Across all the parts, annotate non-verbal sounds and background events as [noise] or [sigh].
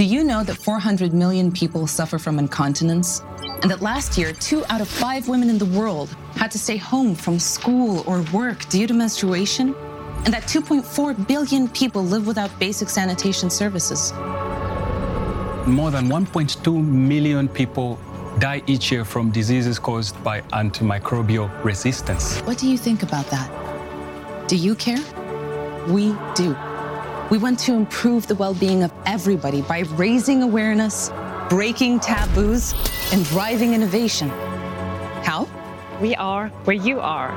Do you know that 400 million people suffer from incontinence? That last year, two out of five women in the world had to stay home from school or work due to menstruation? That 2.4 billion people live without basic sanitation services? More than 1.2 million people die each year from diseases caused by antimicrobial resistance. What do you think about that? Do you care? We do. We want to improve the wellbeing of everybody by raising awareness, breaking taboos, and driving innovation. How? We are where you are.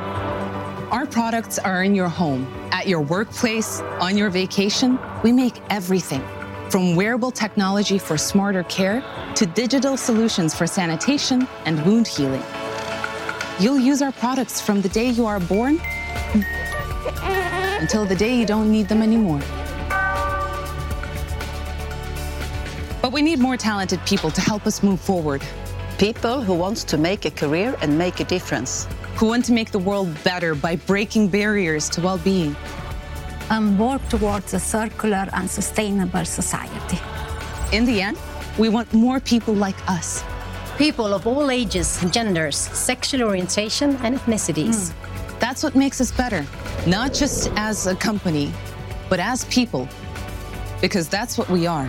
Our products are in your home, at your workplace, on your vacation. We make everything, from wearable technology for smarter care to digital solutions for sanitation and wound healing. You'll use our products from the day you are born, until the day you don't need them anymore. We need more talented people to help us move forward. People who wants to make a career and make a difference. Who want to make the world better by breaking barriers to wellbeing. Work towards a circular and sustainable society. In the end, we want more people like us. People of all ages and genders, sexual orientation, and ethnicities. That's what makes us better, not just as a company, but as people, because that's what we are,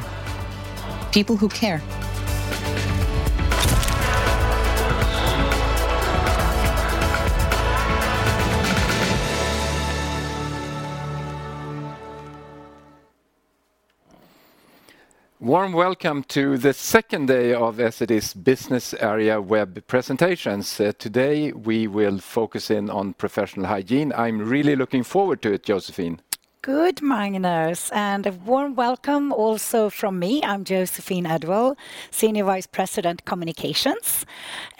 people who care. Warm welcome to the second day of Essity's business area web presentations. Today, we will focus in on Professional Hygiene. I'm really looking forward to it, Joséphine. Good, Magnus. A warm welcome also from me. I'm Joséphine Edwall, Senior Vice President, Communications.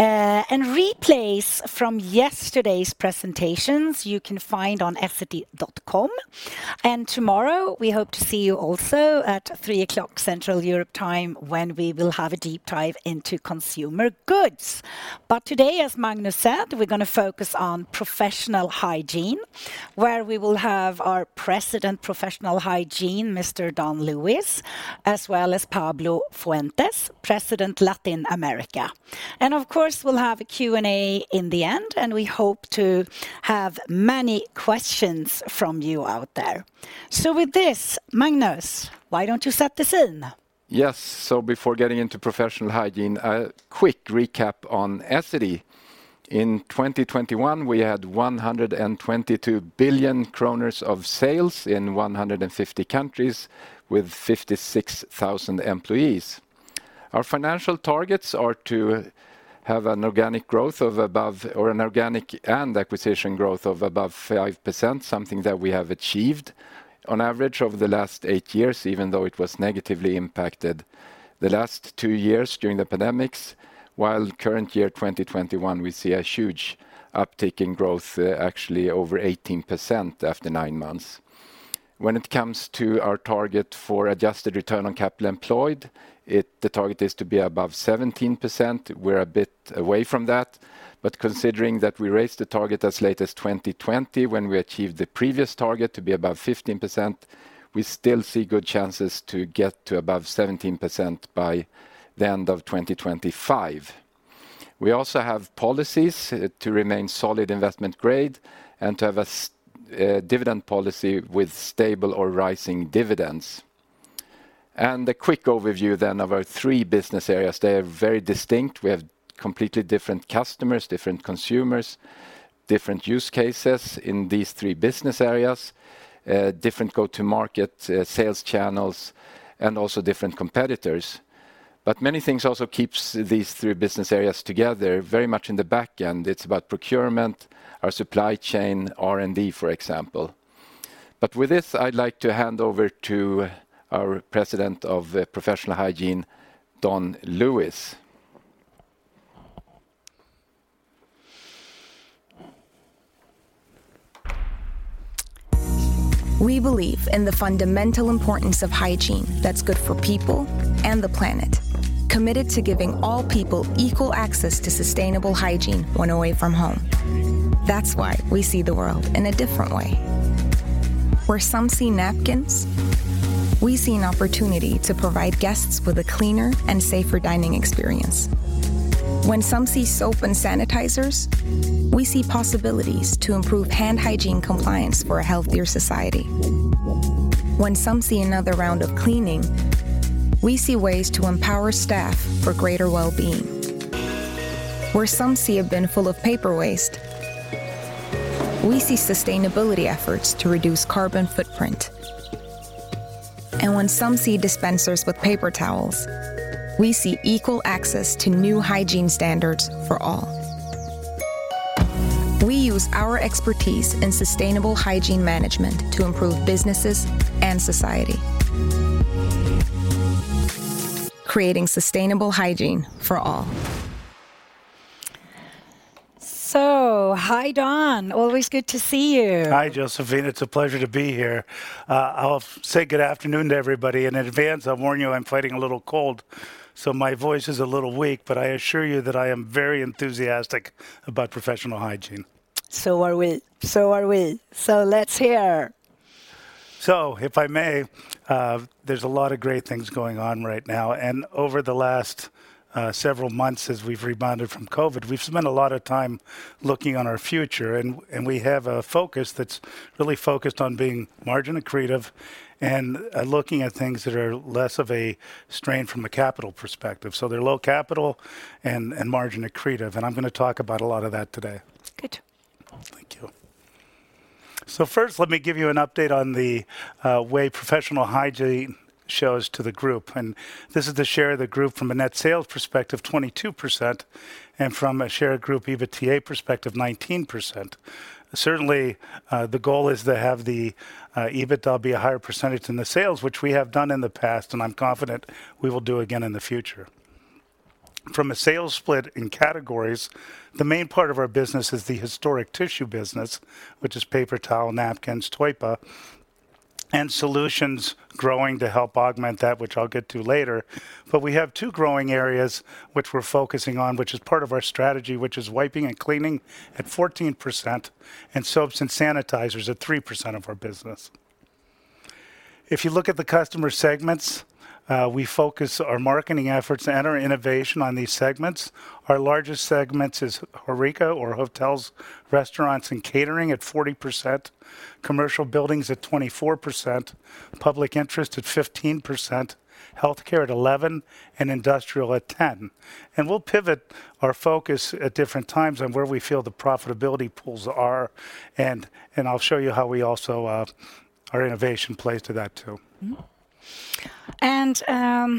Replays from yesterday's presentations you can find on essity.com. Tomorrow, we hope to see you also at 3:00 P.M. Central Europe time, when we will have a deep dive into Consumer Goods. Today, as Magnus said, we're gonna focus on Professional Hygiene, where we will have our President, Professional Hygiene, Mr. Don Lewis, as well as Pablo Fuentes, President, Latin America. Of course, we'll have a Q&A in the end, and we hope to have many questions from you out there. With this, Magnus, why don't you set the scene? Yes. Before getting into Professional Hygiene, a quick recap on Essity. In 2021, we had 122 billion kronor of sales in 150 countries with 56,000 employees. Our financial targets are to have an organic growth of above, or an organic and acquisition growth of above 5%, something that we have achieved on average over the last eight years, even though it was negatively impacted the last two years during the pandemics. While current year 2021, we see a huge uptick in growth, actually over 18% after nine months. When it comes to our target for adjusted return on capital employed, the target is to be above 17%. We're a bit away from that, considering that we raised the target as late as 2020, when we achieved the previous target to be above 15%, we still see good chances to get to above 17% by the end of 2025. We also have policies to remain solid investment grade and to have a dividend policy with stable or rising dividends. A quick overview of our three business areas. They are very distinct. We have completely different customers, different consumers, different use cases in these three business areas, different go-to-market sales channels, and also different competitors. Many things also keeps these three business areas together very much in the back end. It's about procurement, our supply chain, R&D, for example. With this, I'd like to hand over to our President of Professional Hygiene, Don Lewis. We believe in the fundamental importance of hygiene that's good for people and the planet, committed to giving all people equal access to sustainable hygiene when away from home. That's why we see the world in a different way. Where some see napkins, we see an opportunity to provide guests with a cleaner and safer dining experience. When some see soap and sanitizers, we see possibilities to improve hand hygiene compliance for a healthier society. When some see another round of cleaning, we see ways to empower staff for greater wellbeing. Where some see a bin full of paper waste, we see sustainability efforts to reduce carbon footprint. When some see dispensers with paper towels, we see equal access to new hygiene standards for all. We use our expertise in sustainable hygiene management to improve businesses and society. Creating sustainable hygiene for all. Hi, Don. Always good to see you. Hi, Joséphine. It's a pleasure to be here. I'll say good afternoon to everybody. In advance, I'll warn you, I'm fighting a little cold, so my voice is a little weak, but I assure you that I am very enthusiastic about Professional Hygiene. [audio distortion] Let's hear. If I may, there's a lot of great things going on right now, and over the last several months as we've rebounded from COVID, we've spent a lot of time looking on our future and we have a focus that's really focused on being margin accretive and looking at things that are less of a strain from a capital perspective. They're low capital and margin accretive, and I'm gonna talk about a lot of that today. Good. Thank you. First let me give you an update on the way Professional Hygiene shows to the group, and this is the share of the group from a net sales perspective, 22%, and from a share of group EBITDA perspective, 19%. Certainly, the goal is to have the EBITDA be a higher percentage than the sales, which we have done in the past and I'm confident we will do again in the future. From a sales split in categories, the main part of our business is the historic tissue business, which is paper towel, napkins, toilet paper, and solutions growing to help augment that, which I'll get to later. We have two growing areas which we're focusing on, which is part of our strategy, which is wiping and cleaning at 14%, and soaps and sanitizers at 3% of our business. If you look at the customer segments, we focus our marketing efforts and our innovation on these segments. Our largest segments is HoReCa or hotels, restaurants, and catering at 40%, commercial buildings at 24%, public interest at 15%, healthcare at 11%, and industrial at 10%. We'll pivot our focus at different times on where we feel the profitability pools are, and I'll show you how we also, our innovation plays to that, too. Mm-hmm.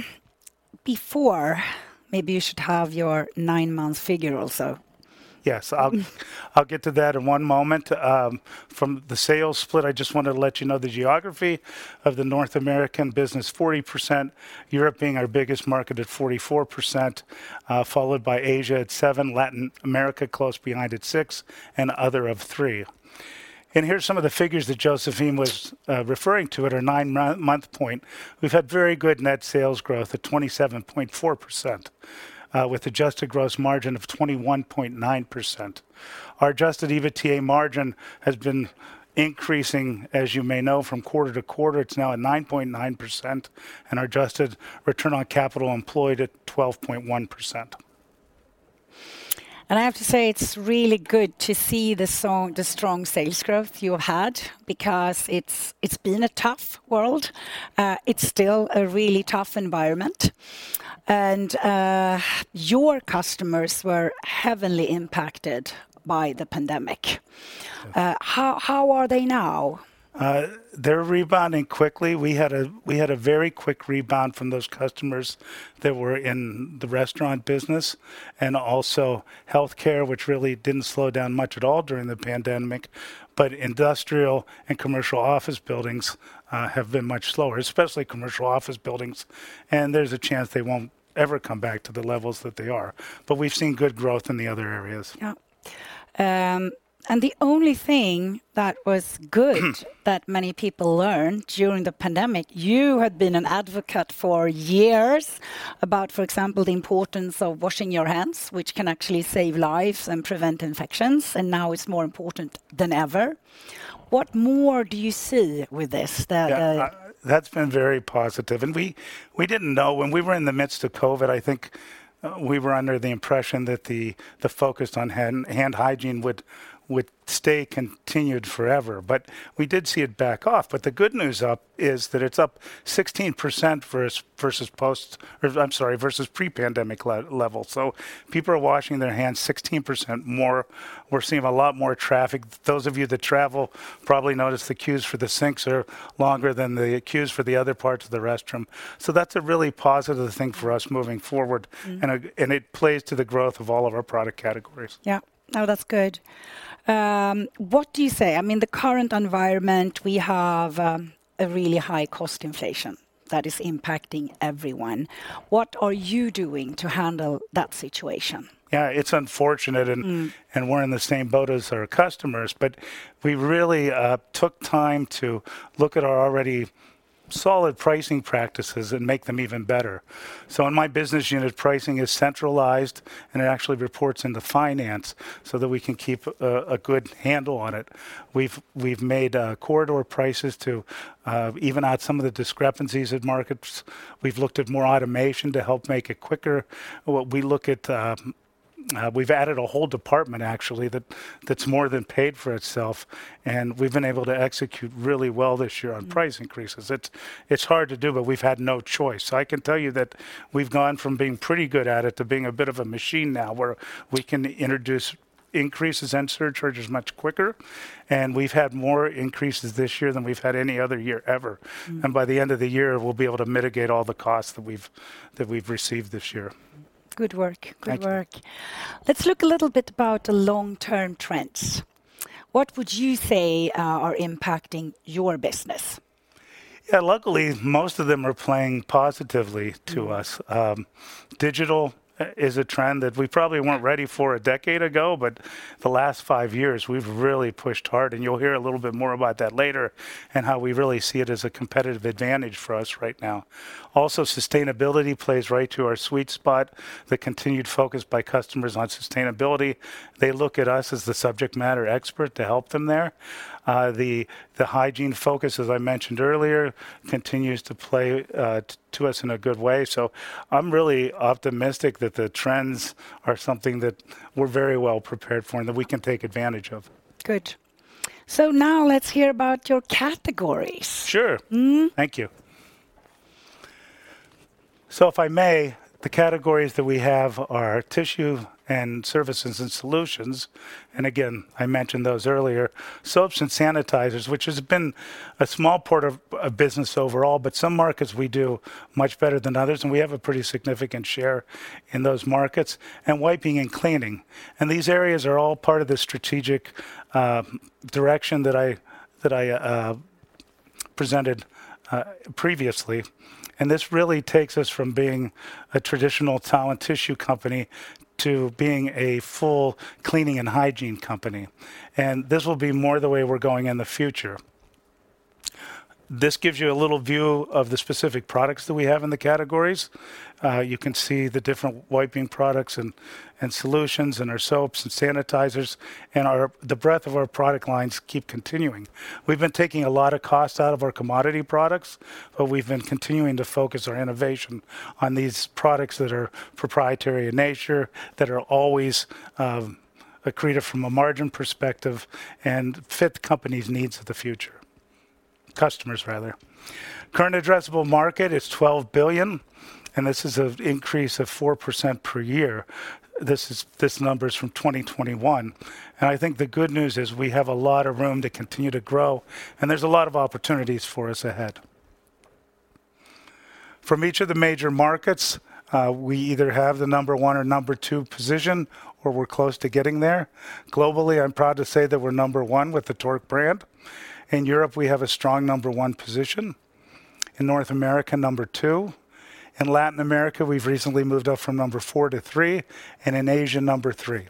Before, maybe you should have your nine-month figure also. Yes, I'll get to that in one moment. From the sales split, I just wanted to let you know the geography of the North American business, 40%, Europe being our biggest market at 44%, followed by Asia at 7%, Latin America close behind at 6%, and other of 3%. Here are some of the figures that Joséphine was referring to at our nine-month point. We've had very good net sales growth at 27.4%, with adjusted gross margin of 21.9%. Our adjusted EBITDA margin has been increasing, as you may know, from quarter to quarter. It's now at 9.9%. Our adjusted return on capital employed at 12.1%. I have to say, it's really good to see the strong sales growth you had because it's been a tough world. It's still a really tough environment. Your customers were heavily impacted by the pandemic. How are they now? They're rebounding quickly. We had a very quick rebound from those customers that were in the restaurant business and also healthcare, which really didn't slow down much at all during the pandemic. Industrial and commercial office buildings have been much slower, especially commercial office buildings, and there's a chance they won't ever come back to the levels that they are. We've seen good growth in the other areas. Yeah. The only thing that many people learned during the pandemic, you had been an advocate for years about, for example, the importance of washing your hands, which can actually save lives and prevent infections, and now it's more important than ever. What more do you see with this? Yeah. That's been very positive. We didn't know, when we were in the midst of COVID, I think we were under the impression that the focus on hand hygiene would stay continued forever. We did see it back off. The good news up is that it's up 16% versus post, or I'm sorry, versus pre-pandemic level. People are washing their hands 16% more. We're seeing a lot more traffic. Those of you that travel probably notice the queues for the sinks are longer than the queues for the other parts of the restroom. That's a really positive thing for us moving forward. Mm-hmm. It plays to the growth of all of our product categories. That's good. What do you say? I mean, the current environment, we have, a really high cost inflation that is impacting everyone. What are you doing to handle that situation? It's unfortunate, and we're in the same boat as our customers, but we really took time to look at our already solid pricing practices and make them even better. In my business unit, pricing is centralized, and it actually reports into finance so that we can keep a good handle on it. We've made corridor prices to even out some of the discrepancies in markets. We've looked at more automation to help make it quicker. We look at, we've added a whole department actually that's more than paid for itself, and we've been able to execute really well this year on price increases. It's hard to do, but we've had no choice. I can tell you that we've gone from being pretty good at it to being a bit of a machine now, where we can introduce increases and surcharges much quicker, and we've had more increases this year than we've had any other year ever. By the end of the year, we'll be able to mitigate all the costs that we've received this year. Good work. Thank you. Good work. Let's look a little bit about the long-term trends. What would you say, are impacting your business? Luckily most of them are playing positively to us. Digital is a trend that we probably weren't ready for a decade ago, but the last five years we've really pushed hard, and you'll hear a little bit more about that later and how we really see it as a competitive advantage for us right now. Sustainability plays right to our sweet spot. The continued focus by customers on sustainability, they look at us as the subject matter expert to help them there. The hygiene focus, as I mentioned earlier, continues to play to us in a good way. I'm really optimistic that the trends are something that we're very well prepared for and that we can take advantage of. Good. Now let's hear about your categories. Sure. Mm. Thank you. If I may, the categories that we have are tissue and services and solutions, and again, I mentioned those earlier. Soaps and sanitizers, which has been a small part of business overall, but some markets we do much better than others, and we have a pretty significant share in those markets. Wiping and cleaning, and these areas are all part of the strategic direction that I presented previously. This really takes us from being a traditional towel and tissue company to being a full cleaning and hygiene company, and this will be more the way we're going in the future. This gives you a little view of the specific products that we have in the categories. You can see the different wiping products and solutions and the breadth of our product lines keep continuing. We've been taking a lot of cost out of our commodity products, but we've been continuing to focus our innovation on these products that are proprietary in nature, that are always accretive from a margin perspective and fit the company's needs of the future. Customers rather. Current addressable market is 12 billion, and this is an increase of 4% per year. This number is from 2021. I think the good news is we have a lot of room to continue to grow, and there's a lot of opportunities for us ahead. From each of the major markets, we either have the number one or number two position, or we're close to getting there. Globally, I'm proud to say that we're number one with the Tork brand. In Europe, we have a strong number one position. In North America, number two. In Latin America, we've recently moved up from number four to three, and in Asia, number three.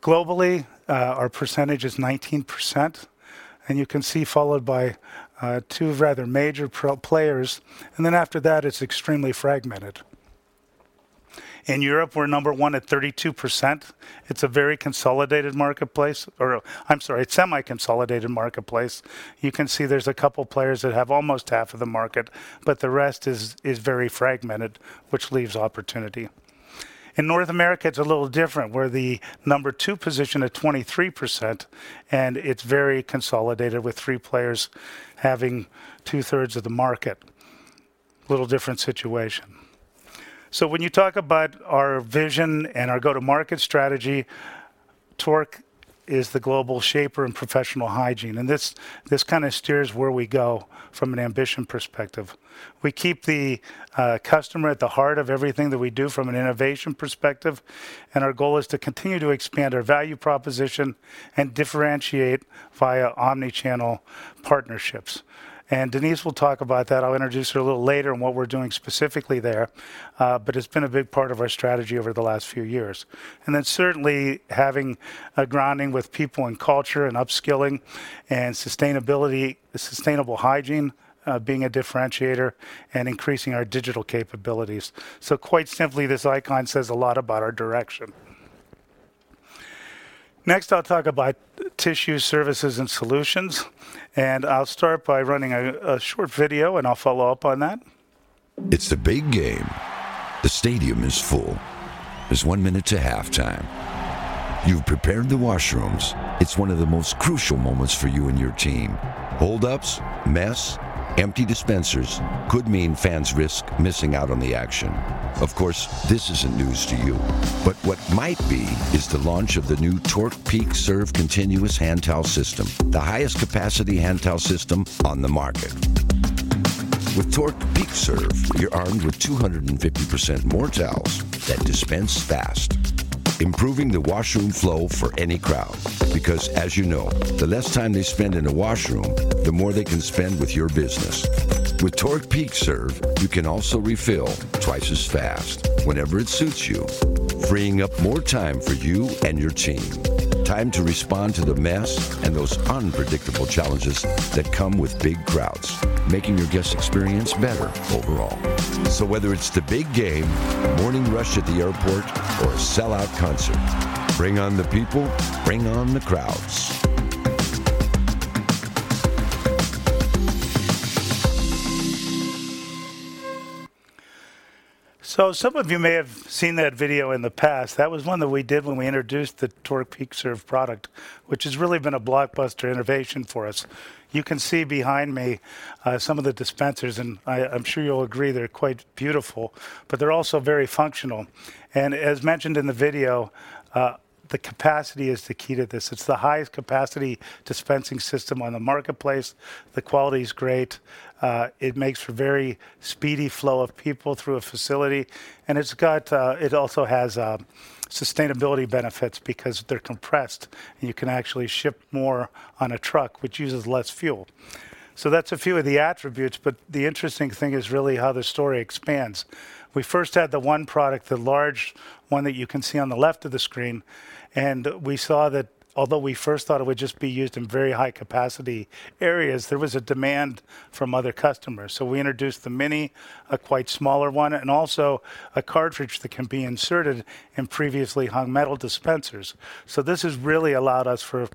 Globally, our percentage is 19%, and you can see followed by two rather major pro-players, and then after that it's extremely fragmented. In Europe, we're number one at 32%. It's a very consolidated marketplace. I'm sorry, it's semi-consolidated marketplace. You can see there's a couple players that have almost half of the market, but the rest is very fragmented, which leaves opportunity. In North America, it's a little different. We're the number two position at 23%, and it's very consolidated with three players having 2/3 of the market. Little different situation. When you talk about our vision and our go-to-market strategy, Tork is the global shaper in Professional Hygiene, and this kinda steers where we go from an ambition perspective. We keep the customer at the heart of everything that we do from an innovation perspective, and our goal is to continue to expand our value proposition and differentiate via omni-channel partnerships. Denise will talk about that, I'll introduce her a little later on what we're doing specifically there, but it's been a big part of our strategy over the last few years. Certainly having a grounding with people and culture and upskilling and sustainability, sustainable hygiene, being a differentiator and increasing our digital capabilities. Quite simply, this icon says a lot about our direction. Next, I'll talk about tissue services and solutions. I'll start by running a short video, and I'll follow up on that. It's the big game. The stadium is full. There's one minute to halftime. You've prepared the washrooms. It's one of the most crucial moments for you and your team. Hold-ups, mess, empty dispensers could mean fans risk missing out on the action. Of course, this isn't news to you. What might be is the launch of the new Tork PeakServe Continuous Hand Towel system, the highest capacity hand towel system on the market. With Tork PeakServe, you're armed with 250% more towels that dispense fast, improving the washroom flow for any crowd. As you know, the less time they spend in a washroom, the more they can spend with your business. With Tork PeakServe, you can also refill twice as fast whenever it suits you, freeing up more time for you and your team. Time to respond to the mess and those unpredictable challenges that come with big crowds, making your guest experience better overall. Whether it's the big game, morning rush at the airport, or a sellout concert, bring on the people, bring on the crowds. Some of you may have seen that video in the past. That was one that we did when we introduced the Tork PeakServe product, which has really been a blockbuster innovation for us. You can see behind me, some of the dispensers, and I'm sure you'll agree they're quite beautiful, but they're also very functional. As mentioned in the video, the capacity is the key to this. It's the highest capacity dispensing system on the marketplace. The quality is great. It makes for very speedy flow of people through a facility. It's got, it also has sustainability benefits because they're compressed, and you can actually ship more on a truck, which uses less fuel. That's a few of the attributes, but the interesting thing is really how the story expands. We first had the one product, the large one that you can see on the left of the screen. We saw that although we first thought it would just be used in very high capacity areas, there was a demand from other customers. We introduced the Mini, a quite smaller one, and also a cartridge that can be inserted in previously hung metal dispensers. This has really allowed us for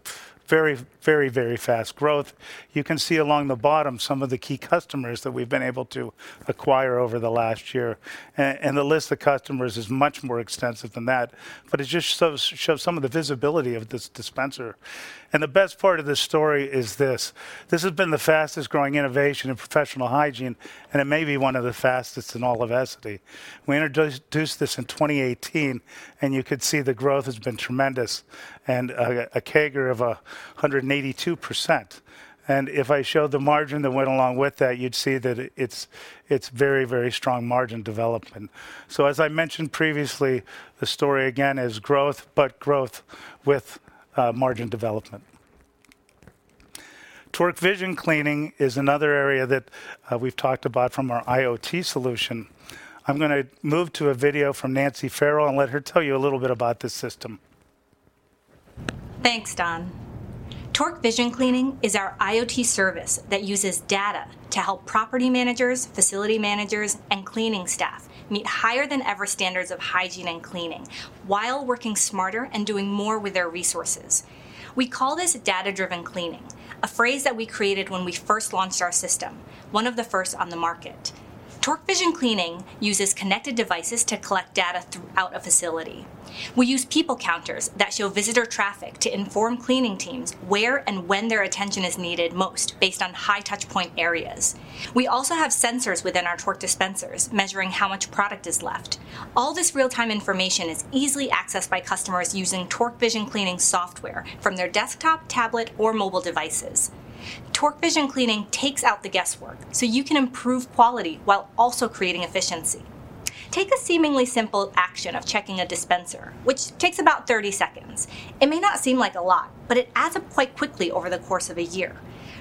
very fast growth. You can see along the bottom some of the key customers that we've been able to acquire over the last year. The list of customers is much more extensive than that, but it just shows some of the visibility of this dispenser. The best part of this story is this: this has been the fastest-growing innovation in Professional Hygiene, and it may be one of the fastest in all of Essity. We introduced this in 2018, you could see the growth has been tremendous. A CAGR of 182%. If I showed the margin that went along with that, you'd see that it's very strong margin development. As I mentioned previously, the story again is growth, but growth with margin development. Tork Vision Cleaning is another area that we've talked about from our IoT solution. I'm gonna move to a video from Nancy Farrell and let her tell you a little bit about this system. Thanks, Don. Tork Vision Cleaning is our IoT service that uses data to help property managers, facility managers, and cleaning staff meet higher than ever standards of hygiene and cleaning while working smarter and doing more with their resources. We call this data-driven cleaning, a phrase that we created when we first launched our system, one of the first on the market. Tork Vision Cleaning uses connected devices to collect data throughout a facility. We use people counters that show visitor traffic to inform cleaning teams where and when their attention is needed most based on high touch point areas. We also have sensors within our Tork dispensers measuring how much product is left. All this real-time information is easily accessed by customers using Tork Vision Cleaning software from their desktop, tablet, or mobile devices. Tork Vision Cleaning takes out the guesswork so you can improve quality while also creating efficiency. Take a seemingly simple action of checking a dispenser, which takes about 30 seconds. It may not seem like a lot, but it adds up quite quickly over the course of a year.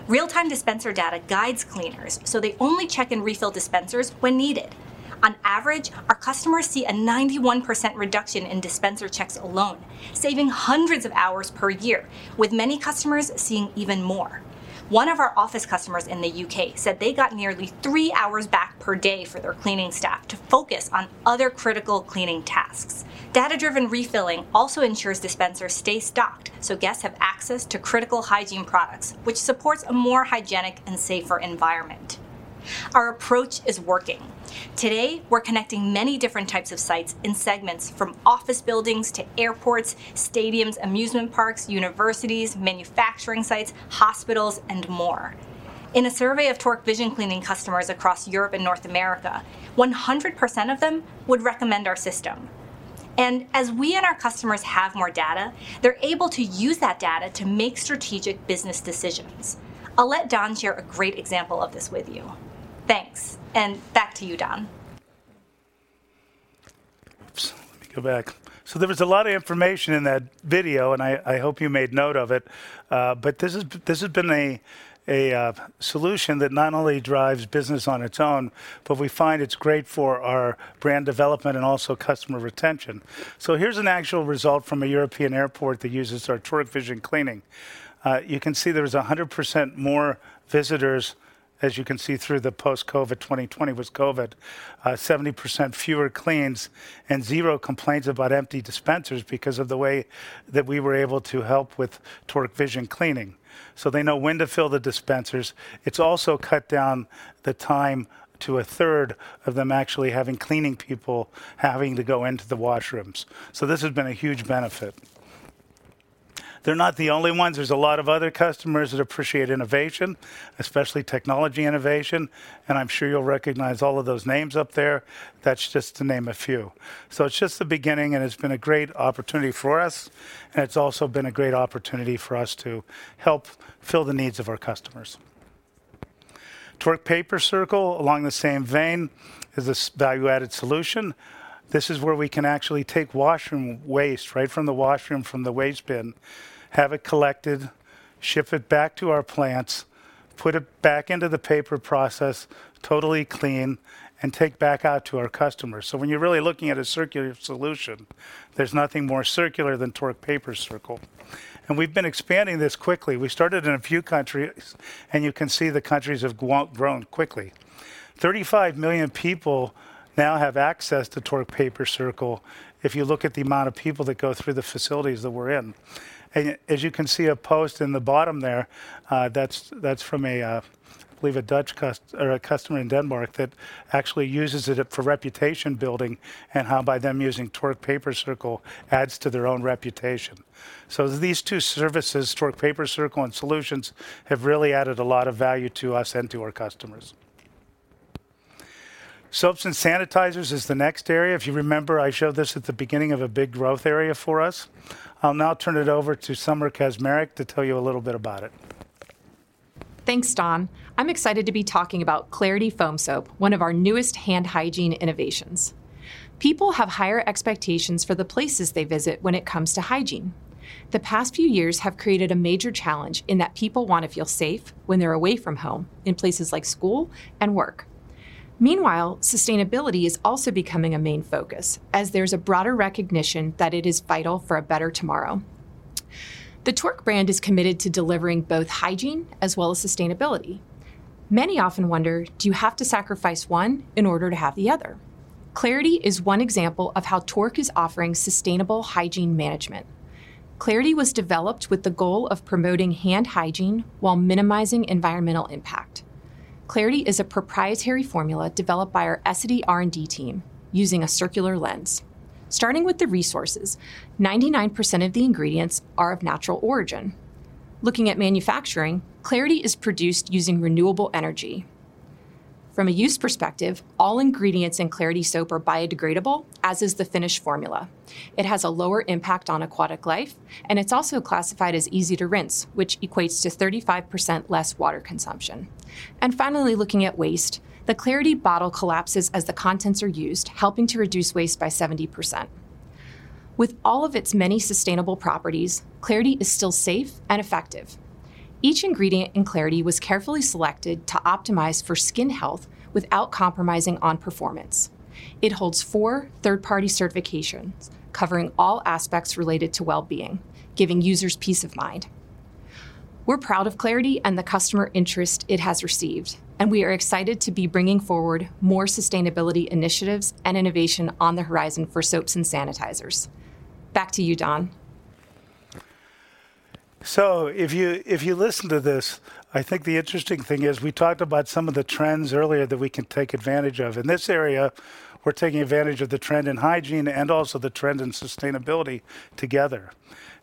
Real-time dispenser data guides cleaners, so they only check and refill dispensers when needed. On average, our customers see a 91% reduction in dispenser checks alone, saving hundreds of hours per year, with many customers seeing even more. One of our office customers in the U.K. said they got nearly three hours back per day for their cleaning staff to focus on other critical cleaning tasks. Data-driven refilling also ensures dispensers stay stocked, so guests have access to critical hygiene products, which supports a more hygienic and safer environment. Our approach is working. Today, we're connecting many different types of sites in segments from office buildings to airports, stadiums, amusement parks, universities, manufacturing sites, hospitals, and more. In a survey of Tork Vision Cleaning customers across Europe and North America, 100% of them would recommend our system. As we and our customers have more data, they're able to use that data to make strategic business decisions. I'll let Don share a great example of this with you. Thanks, and back to you, Don. Oops, let me go back. There was a lot of information in that video, and I hope you made note of it. But this has been a solution that not only drives business on its own, but we find it's great for our brand development and also customer retention. Here's an actual result from a European airport that uses our Tork Vision Cleaning. You can see there's 100% more visitors, as you can see through the post-COVID, 2020 was COVID, 70% fewer cleans, and zero complaints about empty dispensers because of the way that we were able to help with Tork Vision Cleaning. They know when to fill the dispensers. It's also cut down the time to a third of them actually having cleaning people having to go into the washrooms. This has been a huge benefit. They're not the only ones. There's a lot of other customers that appreciate innovation, especially technology innovation, and I'm sure you'll recognize all of those names up there. That's just to name a few. It's just the beginning, and it's been a great opportunity for us, and it's also been a great opportunity for us to help fill the needs of our customers. Tork PaperCircle, along the same vein, is this value-added solution. This is where we can actually take washroom waste right from the washroom, from the waste bin, have it collected, ship it back to our plants, put it back into the paper process, totally clean, and take back out to our customers. When you're really looking at a circular solution, there's nothing more circular than Tork PaperCircle. We've been expanding this quickly. We started in a few countries, and you can see the countries have grown quickly. 35 million people now have access to Tork PaperCircle if you look at the amount of people that go through the facilities that we're in. As you can see a post in the bottom there, that's from a, I believe a Dutch or a customer in Denmark that actually uses it for reputation building and how by them using Tork PaperCircle adds to their own reputation. So these two services, Tork PaperCircle and Solutions, have really added a lot of value to us and to our customers. Soaps and sanitizers is the next area. If you remember, I showed this at the beginning of a big growth area for us. I'll now turn it over to Summer Kazmarek to tell you a little bit about it. Thanks, Don. I'm excited to be talking about Clarity Foam Soap, one of our newest hand hygiene innovations. People have higher expectations for the places they visit when it comes to hygiene. The past few years have created a major challenge in that people want to feel safe when they're away from home in places like school and work. Sustainability is also becoming a main focus, as there's a broader recognition that it is vital for a better tomorrow. The Tork brand is committed to delivering both hygiene as well as sustainability. Many often wonder, do you have to sacrifice one in order to have the other? Clarity is one example of how Tork is offering sustainable hygiene management. Clarity was developed with the goal of promoting hand hygiene while minimizing environmental impact. Clarity is a proprietary formula developed by our Essity R&D team using a circular lens. Starting with the resources, 99% of the ingredients are of natural origin. Looking at manufacturing, Clarity is produced using renewable energy. From a use perspective, all ingredients in Clarity soap are biodegradable, as is the finished formula. It has a lower impact on aquatic life, and it's also classified as easy to rinse, which equates to 35% less water consumption. Finally, looking at waste, the Clarity bottle collapses as the contents are used, helping to reduce waste by 70%. With all of its many sustainable properties, Clarity is still safe and effective. Each ingredient in Clarity was carefully selected to optimize for skin health without compromising on performance. It holds four third-party certifications covering all aspects related to well-being, giving users peace of mind. We're proud of Clarity and the customer interest it has received. We are excited to be bringing forward more sustainability initiatives and innovation on the horizon for soaps and sanitizers. Back to you, Don. If you listen to this, I think the interesting thing is we talked about some of the trends earlier that we can take advantage of. In this area, we're taking advantage of the trend in hygiene and also the trend in sustainability together.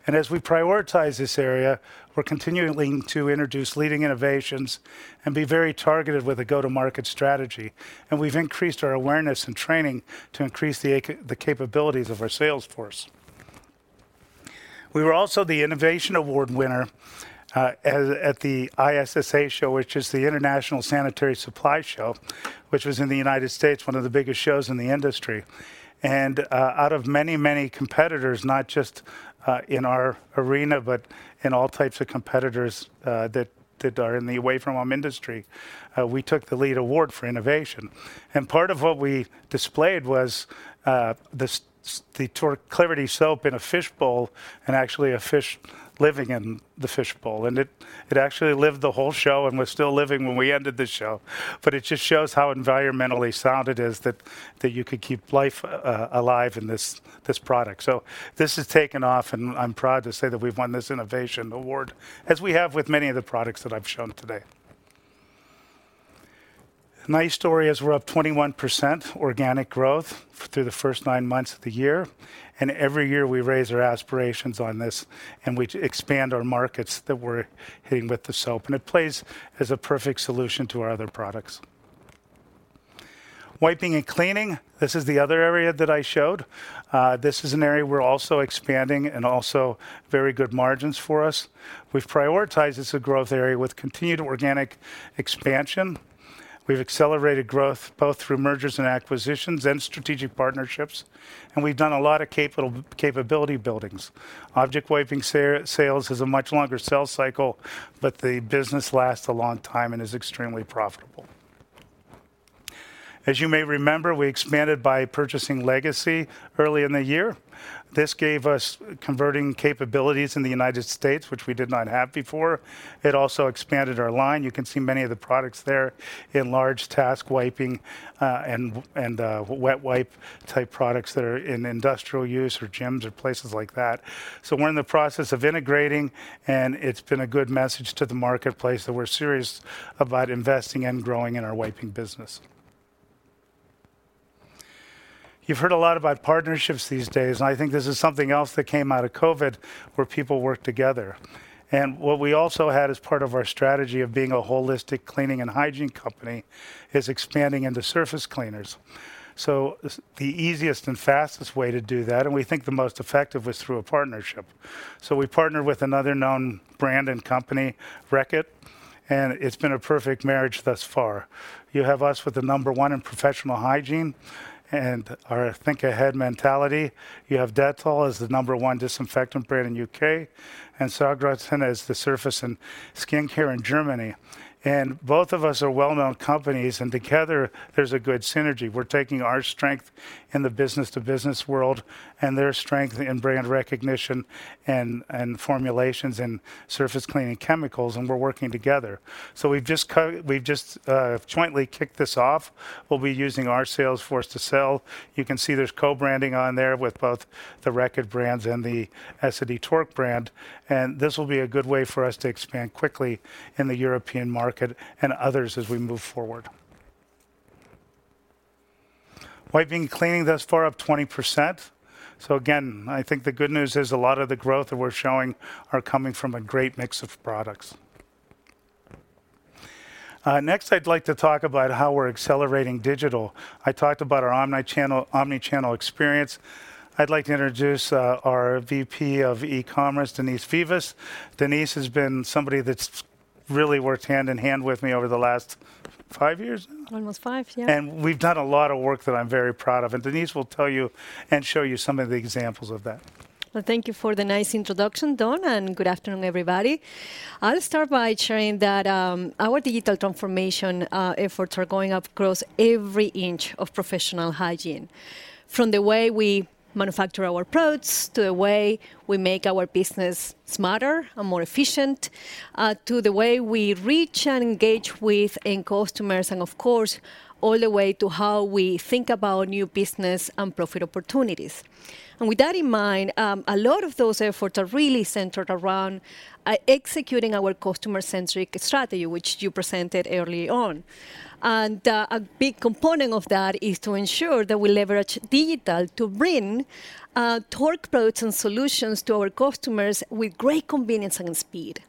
As we prioritize this area, we're continuing to introduce leading innovations and be very targeted with a go-to-market strategy. We've increased our awareness and training to increase the capabilities of our sales force. We were also the Innovation Award winner at the ISSA Show, which is the International Sanitary Supply Show, which was in the United States, one of the biggest shows in the industry. Out of many, many competitors, not just in our arena, but in all types of competitors that are in the away-from-home industry, we took the lead award for innovation. Part of what we displayed was this, the Tork Clarity soap in a fishbowl and actually a fish living in the fishbowl, and it actually lived the whole show and was still living when we ended the show. It just shows how environmentally sound it is that you could keep life alive in this product. This has taken off, and I'm proud to say that we've won this innovation award, as we have with many of the products that I've shown today. Nice story is we're up 21% organic growth through the first nine months of the year. Every year we raise our aspirations on this, and we expand our markets that we're hitting with the soap, and it plays as a perfect solution to our other products. Wiping and cleaning, this is the other area that I showed. This is an area we're also expanding and also very good margins for us. We've prioritized as a growth area with continued organic expansion. We've accelerated growth both through mergers and acquisitions and strategic partnerships. We've done a lot of capability buildings. Object wiping sales is a much longer sales cycle, but the business lasts a long time and is extremely profitable. As you may remember, we expanded by purchasing Legacy early in the year. This gave us converting capabilities in the United States, which we did not have before. It also expanded our line. You can see many of the products there in large task wiping, and wet wipe type products that are in industrial use for gyms or places like that. We're in the process of integrating, and it's been a good message to the marketplace that we're serious about investing and growing in our wiping business. You've heard a lot about partnerships these days, and I think this is something else that came out of COVID where people worked together. What we also had as part of our strategy of being a holistic cleaning and hygiene company is expanding into surface cleaners. The easiest and fastest way to do that, and we think the most effective, was through a partnership. We partnered with another known brand and company, Reckitt. And it's been a perfect marriage thus far. You have us with the number one in Professional Hygiene and our think ahead mentality. You have Dettol as the number one disinfectant brand in U.K., and Sagrotan as the surface in skincare in Germany. Both of us are well-known companies, and together there's a good synergy. We're taking our strength in the business-to-business world and their strength in brand recognition and formulations and surface cleaning chemicals, and we're working together. We've just jointly kicked this off. We'll be using our sales force to sell. You can see there's co-branding on there with both the Reckitt brands and the Essity's Tork brand. This will be a good way for us to expand quickly in the European market and others as we move forward. Wiping and cleaning thus far up 20%, again, I think the good news is a lot of the growth that we're showing are coming from a great mix of products. Next I'd like to talk about how we're accelerating digital. I talked about our omni-channel experience. I'd like to introduce our VP of E-commerce, Denise Vivas. Denise has been somebody that's really worked hand in hand with me over the last five years now? Almost five, yeah. We've done a lot of work that I'm very proud of. Denise will tell you and show you some of the examples of that. Well, thank you for the nice introduction, Don, and good afternoon, everybody. I'll start by sharing that our digital transformation efforts are going up across every inch of Professional Hygiene. From the way we manufacture our products, to the way we make our business smarter and more efficient, to the way we reach and engage with end customers, and of course, all the way to how we think about new business and profit opportunities. With that in mind, a lot of those efforts are really centered around executing our customer-centric strategy, which you presented early on. A big component of that is to ensure that we leverage digital to bring Tork products and solutions to our customers with great convenience and speed.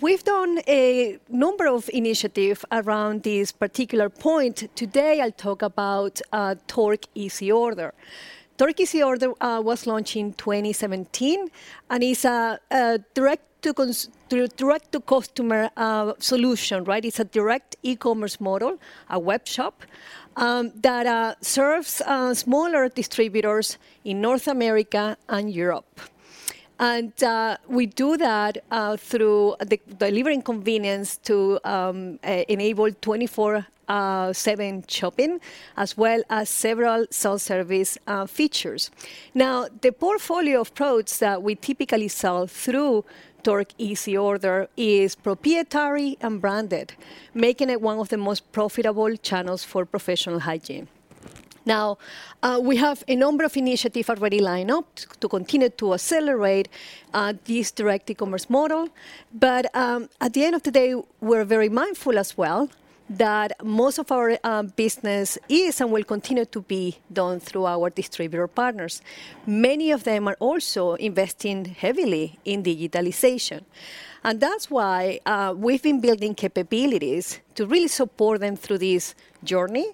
We've done a number of initiative around this particular point. Today, I'll talk about Tork EasyOrder. Tork EasyOrder was launched in 2017, and is a direct to customer solution, right? It's a direct e-commerce model, a web shop, that serves smaller distributors in North America and Europe. We do that through the delivering convenience to e-enable 24/7 shopping, as well as several self-service features. The portfolio of products that we typically sell through Tork EasyOrder is proprietary and branded, making it one of the most profitable channels for Professional Hygiene. We have a number of initiative already lined up to continue to accelerate this direct e-commerce model. At the end of the day, we're very mindful as well that most of our business is and will continue to be done through our distributor partners. Many of them are also investing heavily in digitalization. That's why we've been building capabilities to really support them through this journey.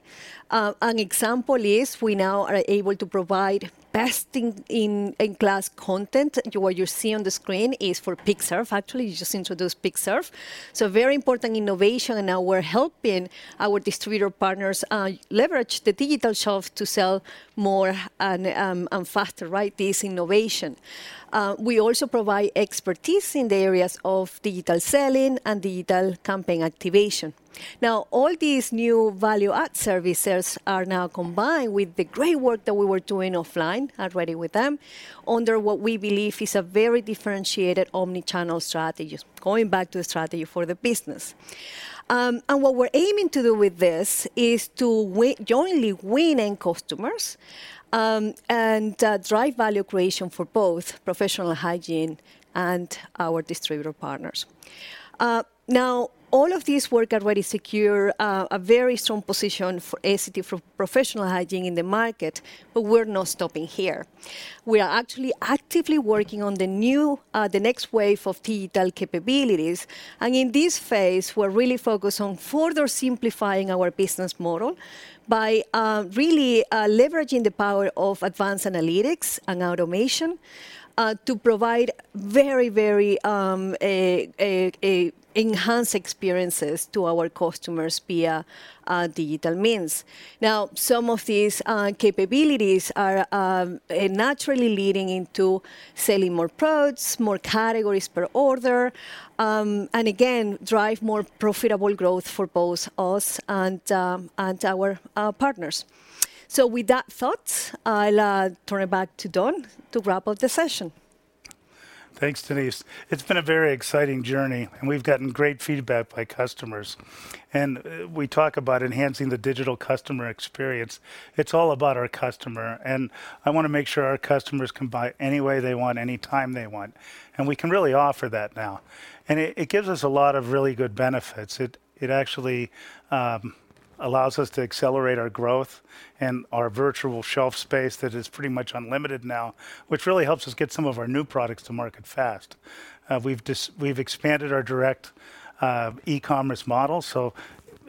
An example is we now are able to provide best in class content. What you see on the screen is for Tork PeakServe, actually. You just introduced Tork PeakServe. Very important innovation, now we're helping our distributor partners leverage the digital shelf to sell more faster, right? This innovation. We also provide expertise in the areas of digital selling and digital campaign activation. Now, all these new value add services are now combined with the great work that we were doing offline already with them under what we believe is a very differentiated omni-channel strategy, going back to the strategy for the business. What we're aiming to do with this is jointly win end customers, and drive value creation for both Professional Hygiene and our distributor partners. Now, all of this work already secure a very strong position for Essity, for Professional Hygiene in the market, but we're not stopping here. We are actually actively working on the new, the next wave of digital capabilities. In this phase, we're really focused on further simplifying our business model by really leveraging the power of advanced analytics and automation to provide very, very enhanced experiences to our customers via digital means. Now, some of these capabilities are naturally leading into selling more products, more categories per order, again, drive more profitable growth for both us and our partners. With that thought, I'll turn it back to Don to wrap up the session. Thanks, Denise. It's been a very exciting journey, and we've gotten great feedback by customers. We talk about enhancing the digital customer experience. It's all about our customer, and I want to make sure our customers can buy any way they want, any time they want. We can really offer that now. It gives us a lot of really good benefits. It actually allows us to accelerate our growth and our virtual shelf space that is pretty much unlimited now, which really helps us get some of our new products to market fast. We've expanded our direct e-commerce model, so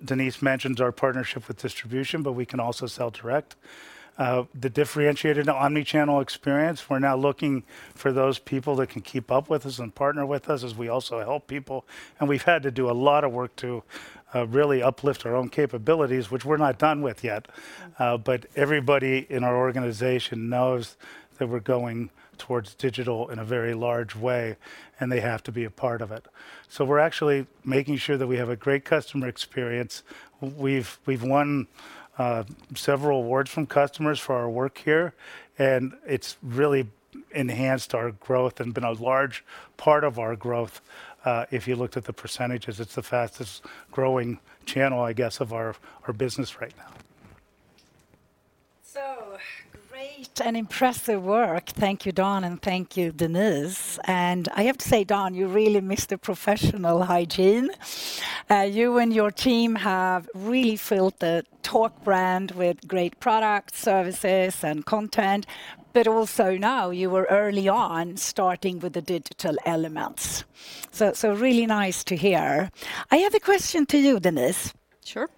Denise mentions our partnership with distribution, but we can also sell direct. The differentiated omni-channel experience, we're now looking for those people that can keep up with us and partner with us as we also help people. We've had to do a lot of work to really uplift our own capabilities, which we're not done with yet. Everybody in our organization knows that we're going towards digital in a very large way, and they have to be a part of it. We're actually making sure that we have a great customer experience. We've won several awards from customers for our work here, and it's really enhanced our growth and been a large part of our growth. If you looked at the percentages, it's the fastest growing channel, I guess, of our business right now. Great and impressive work. Thank you, Don, and thank you, Denise. I have to say, Don, you really missed the Professional Hygiene. You and your team have really filled the Tork brand with great products, services, and content. Also now you were early on starting with the digital elements. Really nice to hear. I have a question to you, Denise. Sure.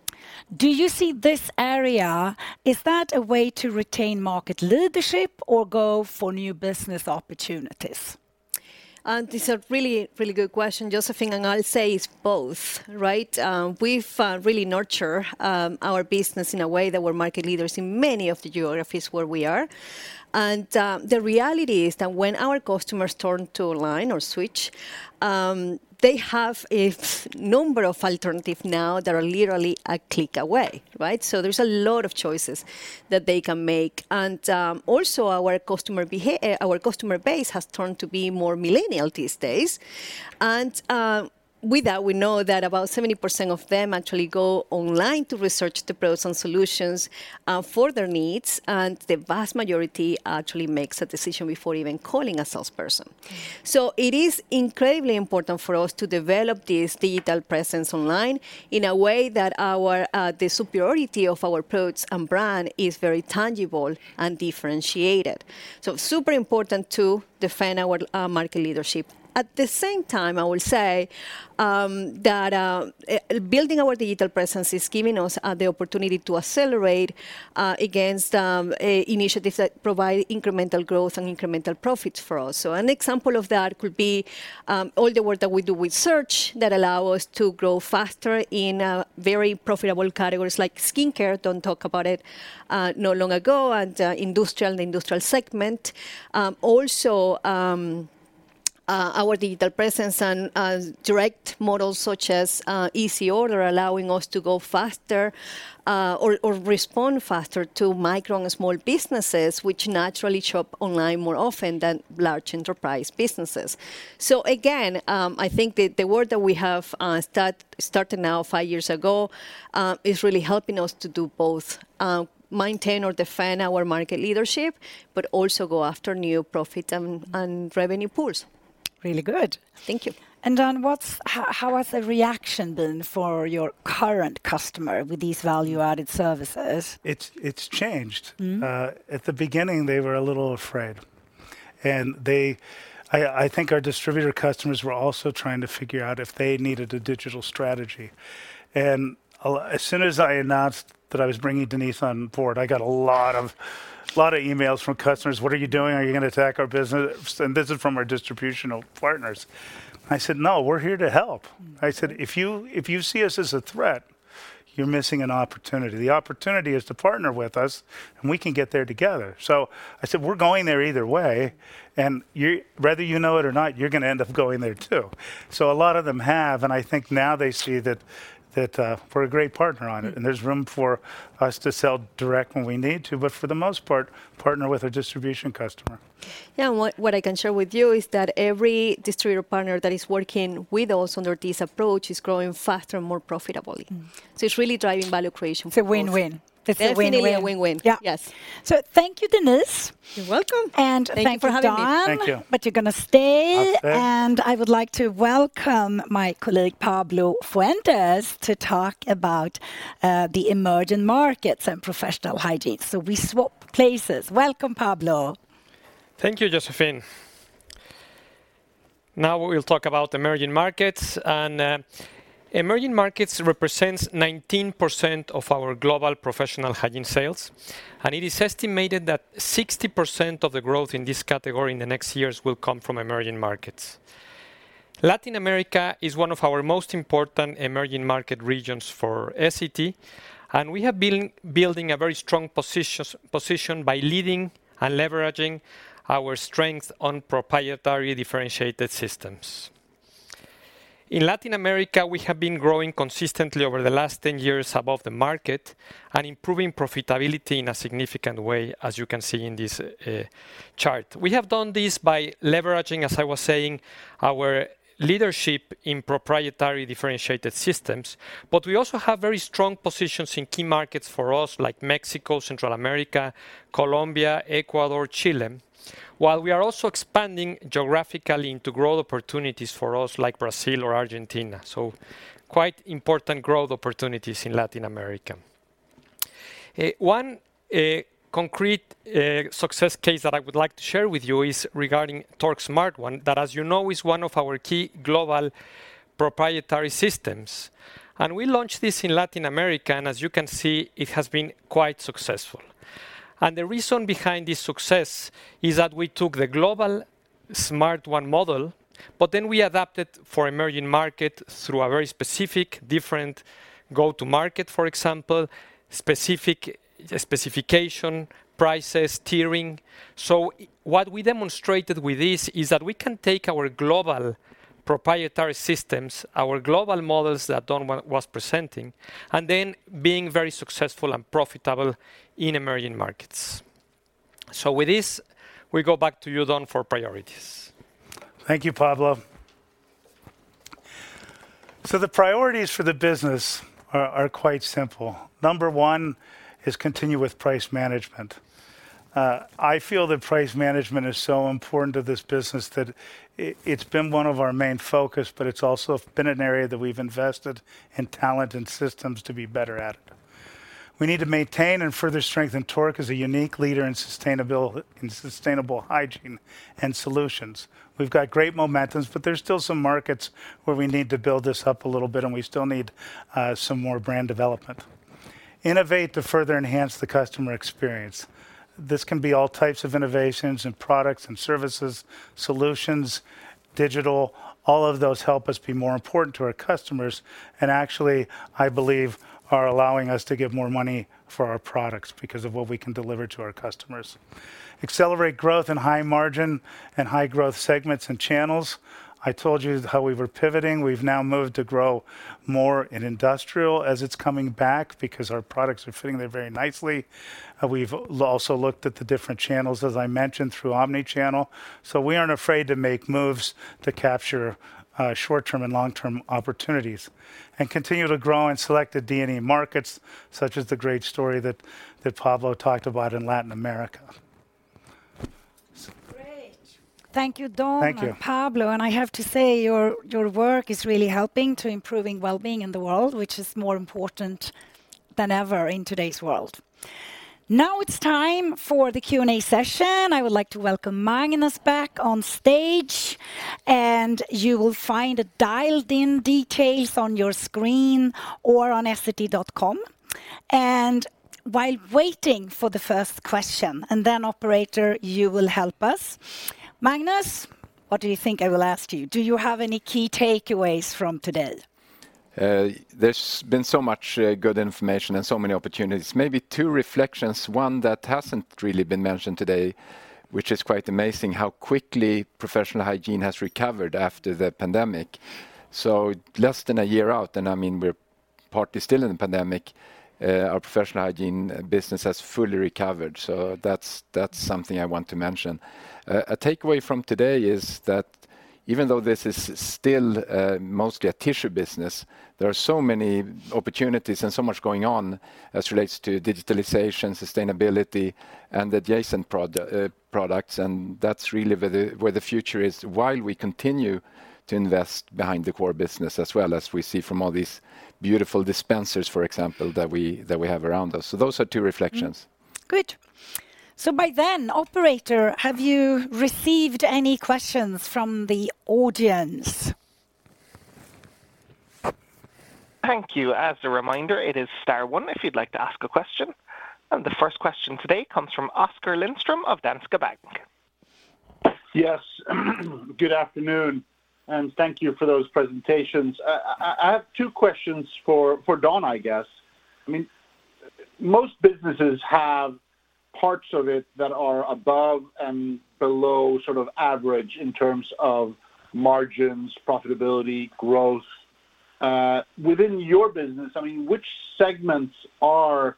Do you see this area, is that a way to retain market leadership or go for new business opportunities? It's a really, really good question, Joséphine, and I'll say it's both, right? We've really nurture our business in a way that we're market leaders in many of the geographies where we are. The reality is that when our customers turn to online or switch, they have a number of alternative now that are literally a click away, right? There's a lot of choices that they can make. Also our customer base has turned to be more millennial these days. With that, we know that about 70% of them actually go online to research the products and solutions for their needs, and the vast majority actually makes a decision before even calling a salesperson. It is incredibly important for us to develop this digital presence online in a way that our the superiority of our products and brand is very tangible and differentiated. Super important to defend our market leadership. At the same time, I will say that building our digital presence is giving us the opportunity to accelerate against initiatives that provide incremental growth and incremental profits for us. An example of that could be all the work that we do with search that allow us to grow faster in very profitable categories like skincare, don't talk about it no long ago, and industrial and industrial segment. Also, our digital presence and direct models such as EasyOrder allowing us to go faster, or respond faster to micro and small businesses which naturally shop online more often than large enterprise businesses. Again, I think the work that we have, started now five years ago, is really helping us to do both, maintain or defend our market leadership, but also go after new profit and revenue pools. Really good. Thank you. Don, How has the reaction been for your current customer with these value-added services? It's changed. Mm-hmm. At the beginning, they were a little afraid. I think our distributor customers were also trying to figure out if they needed a digital strategy. As soon as I announced that I was bringing Denise on board, I got a lot of emails from customers, "What are you doing? Are you gonna attack our business?" This is from our distributional partners. I said, "No, we're here to help." Mm-hmm. I said, "If you see us as a threat, you're missing an opportunity. The opportunity is to partner with us, and we can get there together." I said, "We're going there either way, and you, whether you know it or not, you're gonna end up going there, too." A lot of them have, and I think now they see that we're a great partner on it. Mm-hmm. There's room for us to sell direct when we need to, but for the most part, partner with a distribution customer. Yeah. What I can share with you is that every distributor partner that is working with us under this approach is growing faster and more profitably. Mm-hmm. It's really driving value creation for both. It's a win-win. It's a win-win. Definitely a win-win. Yeah. Yes. Thank you, Denise. You're welcome. Thank you, Don. Thank you for having me. Thank you. You're gonna stay. I'll stay. I would like to welcome my colleague, Pablo Fuentes, to talk about the emerging markets and Professional Hygiene. We swap places. Welcome, Pablo. Thank you, Joséphine. Now we'll talk about emerging markets. Emerging markets represents 19% of our global Professional Hygiene sales, and it is estimated that 60% of the growth in this category in the next years will come from emerging markets. Latin America is one of our most important emerging market regions for Essity, we have been building a very strong position by leading and leveraging our strength on proprietary differentiated systems. In Latin America, we have been growing consistently over the last 10 years above the market and improving profitability in a significant way, as you can see in this chart. We have done this by leveraging, as I was saying, our leadership in proprietary differentiated systems, but we also have very strong positions in key markets for us like Mexico, Central America, Colombia, Ecuador, Chile, while we are also expanding geographically into growth opportunities for us like Brazil or Argentina. Quite important growth opportunities in Latin America. One concrete success case that I would like to share with you is regarding Tork SmartOne that, as you know, is one of our key global proprietary systems. We launched this in Latin America, and as you can see, it has been quite successful. The reason behind this success is that we took the global SmartOne model, but then we adapted for emerging market through a very specific different go-to-market, for example, specific, specification, prices, tiering. What we demonstrated with this is that we can take our global proprietary systems, our global models that Don was presenting, and then being very successful and profitable in emerging markets. With this, we go back to you, Don, for priorities. Thank you, Pablo. The priorities for the business are quite simple. Number one is continue with price management. I feel that price management is so important to this business that it's been one of our main focus, but it's also been an area that we've invested in talent and systems to be better at. We need to maintain and further strengthen Tork as a unique leader in sustainable hygiene and solutions. We've got great momentums, but there's still some markets where we need to build this up a little bit, and we still need some more brand development. Innovate to further enhance the customer experience. This can be all types of innovations and products and services, solutions, digital. All of those help us be more important to our customers, and actually, I believe, are allowing us to give more money for our products because of what we can deliver to our customers. Accelerate growth in high margin and high growth segments and channels. I told you how we were pivoting. We've now moved to grow more in industrial as it's coming back because our products are fitting there very nicely. We've also looked at the different channels, as I mentioned, through omni-channel. We aren't afraid to make moves to capture short-term and long-term opportunities. Continue to grow in selected D&E markets, such as the great story that Pablo talked about in Latin America. Great. Thank you, Don- Thank you.... and Pablo. I have to say, your work is really helping to improving wellbeing in the world, which is more important than ever in today's world. Now it's time for the Q&A session. I would like to welcome Magnus back on stage, and you will find the dialed-in details on your screen or on essity.com. While waiting for the first question, operator, you will help us, Magnus, what do you think I will ask you? Do you have any key takeaways from today? There's been so much good information and so many opportunities. Maybe two reflections, one that hasn't really been mentioned today, which is quite amazing how quickly Professional Hygiene has recovered after the pandemic. Less than a year out, and I mean, we're partly still in the pandemic, our Professional Hygiene business has fully recovered, so that's something I want to mention. A takeaway from today is that even though this is still mostly a tissue business, there are so many opportunities and so much going on as relates to digitalization, sustainability, and adjacent products, and that's really where the future is while we continue to invest behind the core business, as well as we see from all these beautiful dispensers, for example, that we have around us. Those are two reflections. Good. By then, Operator, have you received any questions from the audience? Thank you. As a reminder, it is star one if you'd like to ask a question. The first question today comes from Oskar Lindström of Danske Bank. Yes. Good afternoon, thank you for those presentations. I have two questions for Don, I guess. I mean, most businesses have parts of it that are above and below sort of average in terms of margins, profitability, growth. Within your business, I mean, which segments are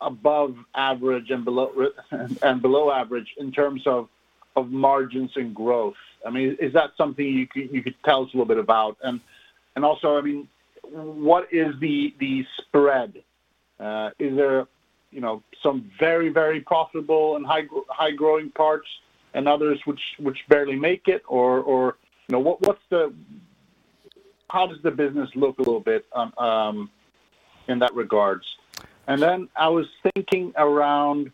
above average and below average in terms of margins and growth? I mean, is that something you could tell us a little bit about? Also, I mean, what is the spread? Is there, you know, some very, very profitable and high-growing parts and others which barely make it? Or, you know, how does the business look a little bit on in that regards? I was thinking around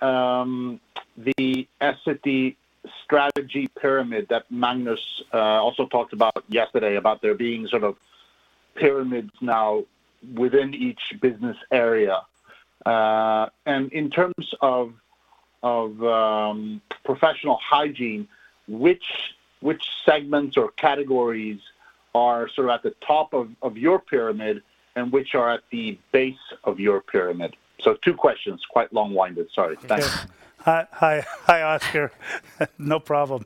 the Essity strategy pyramid that Magnus also talked about yesterday, about there being sort of pyramids now within each business area. In terms of Professional Hygiene, which segments or categories are sort of at the top of your pyramid and which are at the base of your pyramid? Two questions, quite long-winded. Sorry. Thanks. Sure. Hi, Oskar. No problem.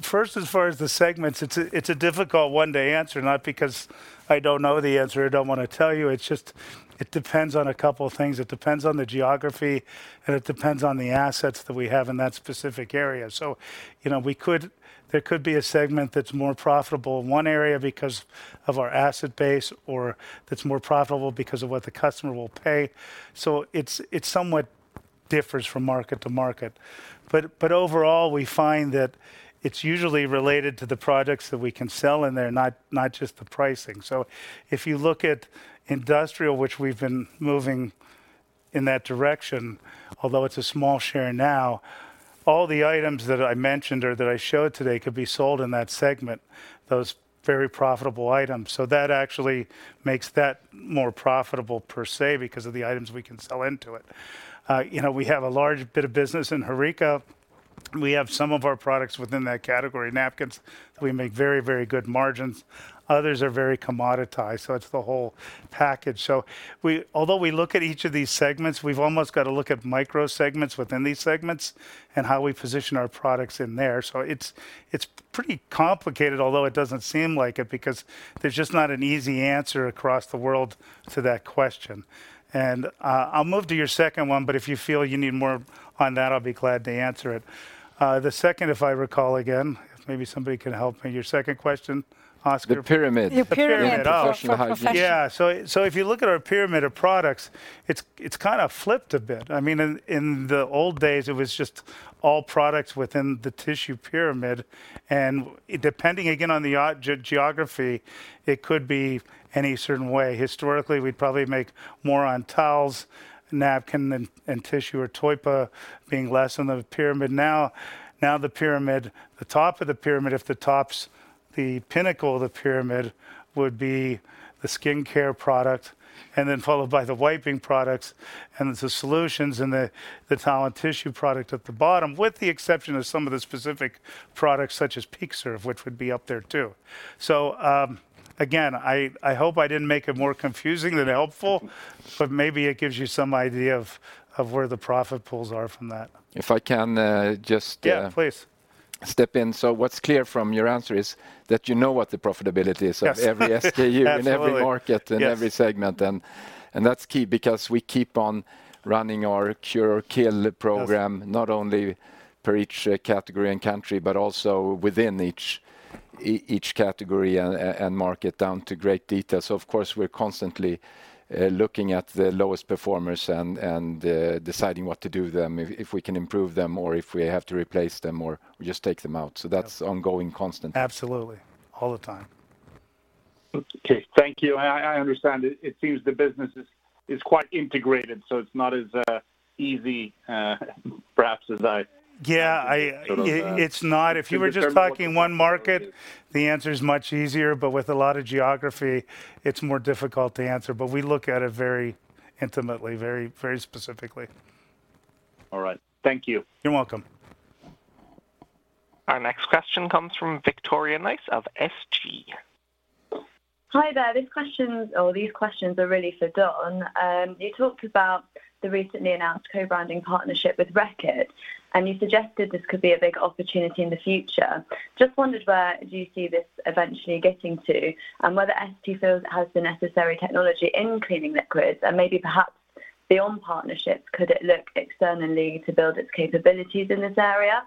First, as far as the segments, it's a difficult one to answer, not because I don't know the answer or don't wanna tell you. It's just, it depends on a couple of things. It depends on the geography, and it depends on the assets that we have in that specific area. You know, there could be a segment that's more profitable in one area because of our asset base or that's more profitable because of what the customer will pay. It's somewhat differs from market to market. Overall, we find that it's usually related to the products that we can sell in there, not just the pricing. If you look at industrial, which we've been moving in that direction, although it's a small share now, all the items that I mentioned or that I showed today could be sold in that segment, those very profitable items. That actually makes that more profitable per se because of the items we can sell into it. you know, we have a large bit of business in HoReCa. We have some of our products within that category. Napkins, we make very, very good margins. Others are very commoditized, so it's the whole package. Although we look at each of these segments, we've almost got to look at micro segments within these segments and how we position our products in there. It's, it's pretty complicated, although it doesn't seem like it, because there's just not an easy answer across the world to that question. I'll move to your second one, but if you feel you need more on that, I'll be glad to answer it. The second, if I recall again, if maybe somebody can help me. Your second question, Oskar? The pyramid. Your pyramid. The pyramid. Oh. For Professional Hygiene. Yeah. So if you look at our pyramid of products, it's kinda flipped a bit. I mean, in the old days, it was just all products within the tissue pyramid. Depending, again, on the geography, it could be any certain way. Historically, we'd probably make more on towels, napkin, and tissue or toilet paper being less in the pyramid. Now the pyramid, the top of the pyramid, if the top's the pinnacle of the pyramid, would be the skincare product and then followed by the wiping products and the solutions and the towel and tissue product at the bottom, with the exception of some of the specific products such as PeakServe, which would be up there, too. Again, I hope I didn't make it more confusing than helpful, but maybe it gives you some idea of where the profit pools are from that. If I can, just- Yeah, please.... step in. What's clear from your answer is that you know what the profitability is. Yes. Of every SKU. Absolutely. in every market- Yes.... and every segment. That's key because we keep on running our Cure or Kill program. Yes.... not only per each category and country, but also within each category and market down to great detail. Of course we're constantly looking at the lowest performers and deciding what to do with them, if we can improve them or if we have to replace them or we just take them out. That's ongoing constantly. Absolutely. All the time. Okay. Thank you. I understand. It seems the business is quite integrated. It's not as easy perhaps. Yeah.... sort of- It's not. If you were just talking. To determine what the profitability is. one market, the answer is much easier. With a lot of geography, it's more difficult to answer. We look at it very intimately, very, very specifically. All right. Thank you. You're welcome. Our next question comes from Victoria Nice of SG. Hi there. This question or these questions are really for Don. You talked about the recently announced co-branding partnership with Reckitt, and you suggested this could be a big opportunity in the future. Just wondered where do you see this eventually getting to, and whether SG feels it has the necessary technology in cleaning liquids? Maybe perhaps beyond partnerships, could it look externally to build its capabilities in this area?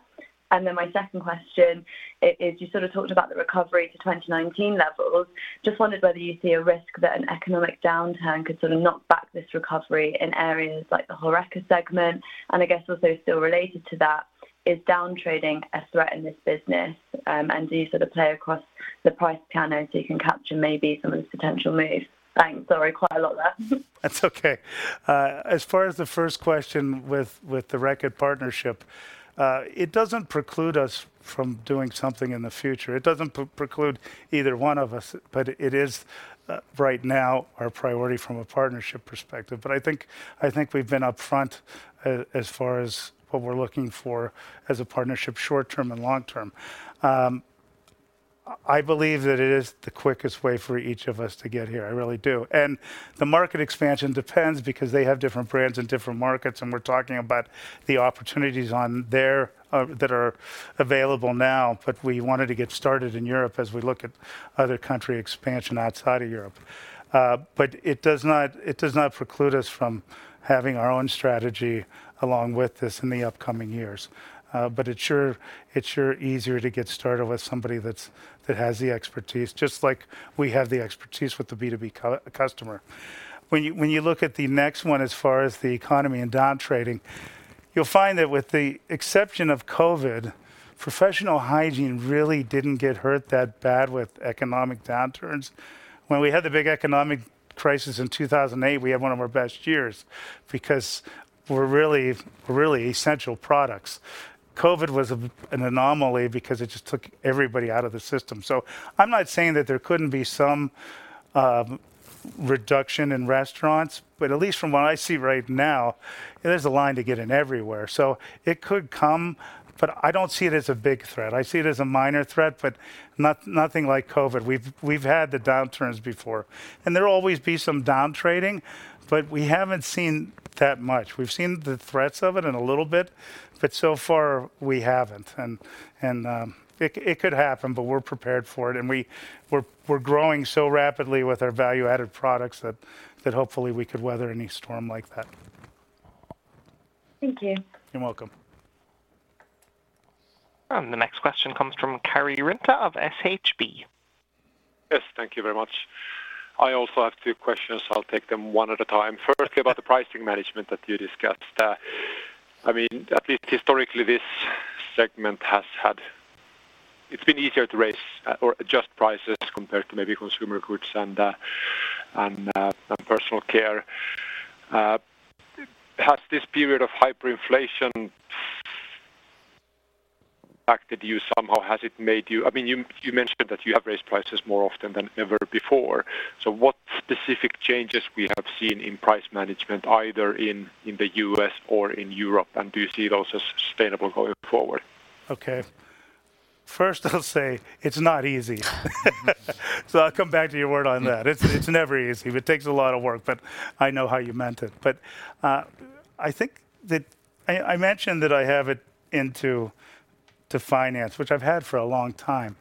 Then my second question is you sort of talked about the recovery to 2019 levels. Just wondered whether you see a risk that an economic downturn could sort of knock back this recovery in areas like the HoReCa segment. I guess also still related to that, is downtrading a threat in this business, and do you sort of play across the price piano so you can capture maybe some of the potential moves? Thanks. Sorry, quite a lot there. That's okay. As far as the first question with the Reckitt partnership, it doesn't preclude us from doing something in the future. It doesn't preclude either one of us, but it is right now our priority from a partnership perspective. I think we've been upfront as far as what we're looking for as a partnership short-term and long-term. I believe that it is the quickest way for each of us to get here. I really do. The market expansion depends because they have different brands in different markets, and we're talking about the opportunities on their that are available now. We wanted to get started in Europe as we look at other country expansion outside of Europe. It does not preclude us from having our own strategy along with this in the upcoming years. It sure easier to get started with somebody that has the expertise, just like we have the expertise with the B2B customer. When you look at the next one as far as the economy and downtrading, you'll find that with the exception of COVID, Professional Hygiene really didn't get hurt that bad with economic downturns. When we had the big economic crisis in 2008, we had one of our best years because we're really essential products. COVID was an anomaly because it just took everybody out of the system. I'm not saying that there couldn't be some reduction in restaurants, but at least from what I see right now, there's a line to get in everywhere. It could come, but I don't see it as a big threat. I see it as a minor threat, but nothing like COVID. We've had the downturns before. There'll always be some downtrading, but we haven't seen that much. We've seen the threats of it in a little bit, but so far we haven't. It could happen, but we're prepared for it. We're growing so rapidly with our value-added products that hopefully we could weather any storm like that. Thank you. You're welcome. The next question comes from Karri Rinta of SHB. Yes, thank you very much. I also have two questions. I'll take them one at a time. Firstly, about the pricing management that you discussed. I mean, at least historically, this segment has had. It's been easier to raise or adjust prices compared to maybe Consumer Goods and Personal Care. Has this period of hyperinflation impacted you somehow? Has it made you? I mean, you mentioned that you have raised prices more often than ever before. What specific changes we have seen in price management, either in the U.S. or in Europe, and do you see those as sustainable going forward? Okay. First, I'll say it's not easy. I'll come back to your word on that. It's never easy. It takes a lot of work. I know how you meant it. I think that I mentioned that I have it into finance, which I've had for a long time.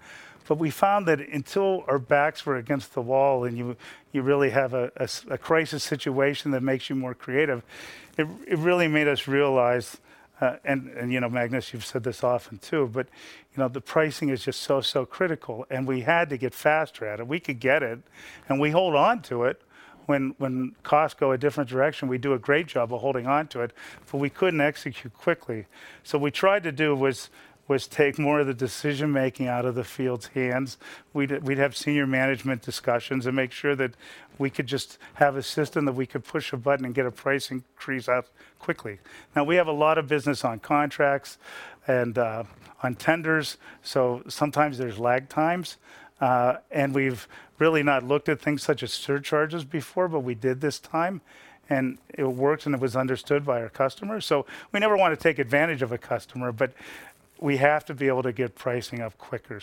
We found that until our backs were against the wall and you really have a crisis situation that makes you more creative, it really made us realize, and you know, Magnus, you've said this often too, you know, the pricing is just so critical, we had to get faster at it. We could get it, and we hold on to it. When costs go a different direction, we do a great job of holding on to it, we couldn't execute quickly. What we tried to do was take more of the decision-making out of the field's hands. We'd have senior management discussions and make sure that we could just have a system that we could push a button and get a pricing increase out quickly. Now, we have a lot of business on contracts and on tenders, so sometimes there's lag times. We've really not looked at things such as surcharges before, but we did this time, and it worked, and it was understood by our customers. We never wanna take advantage of a customer, but we have to be able to get pricing up quicker.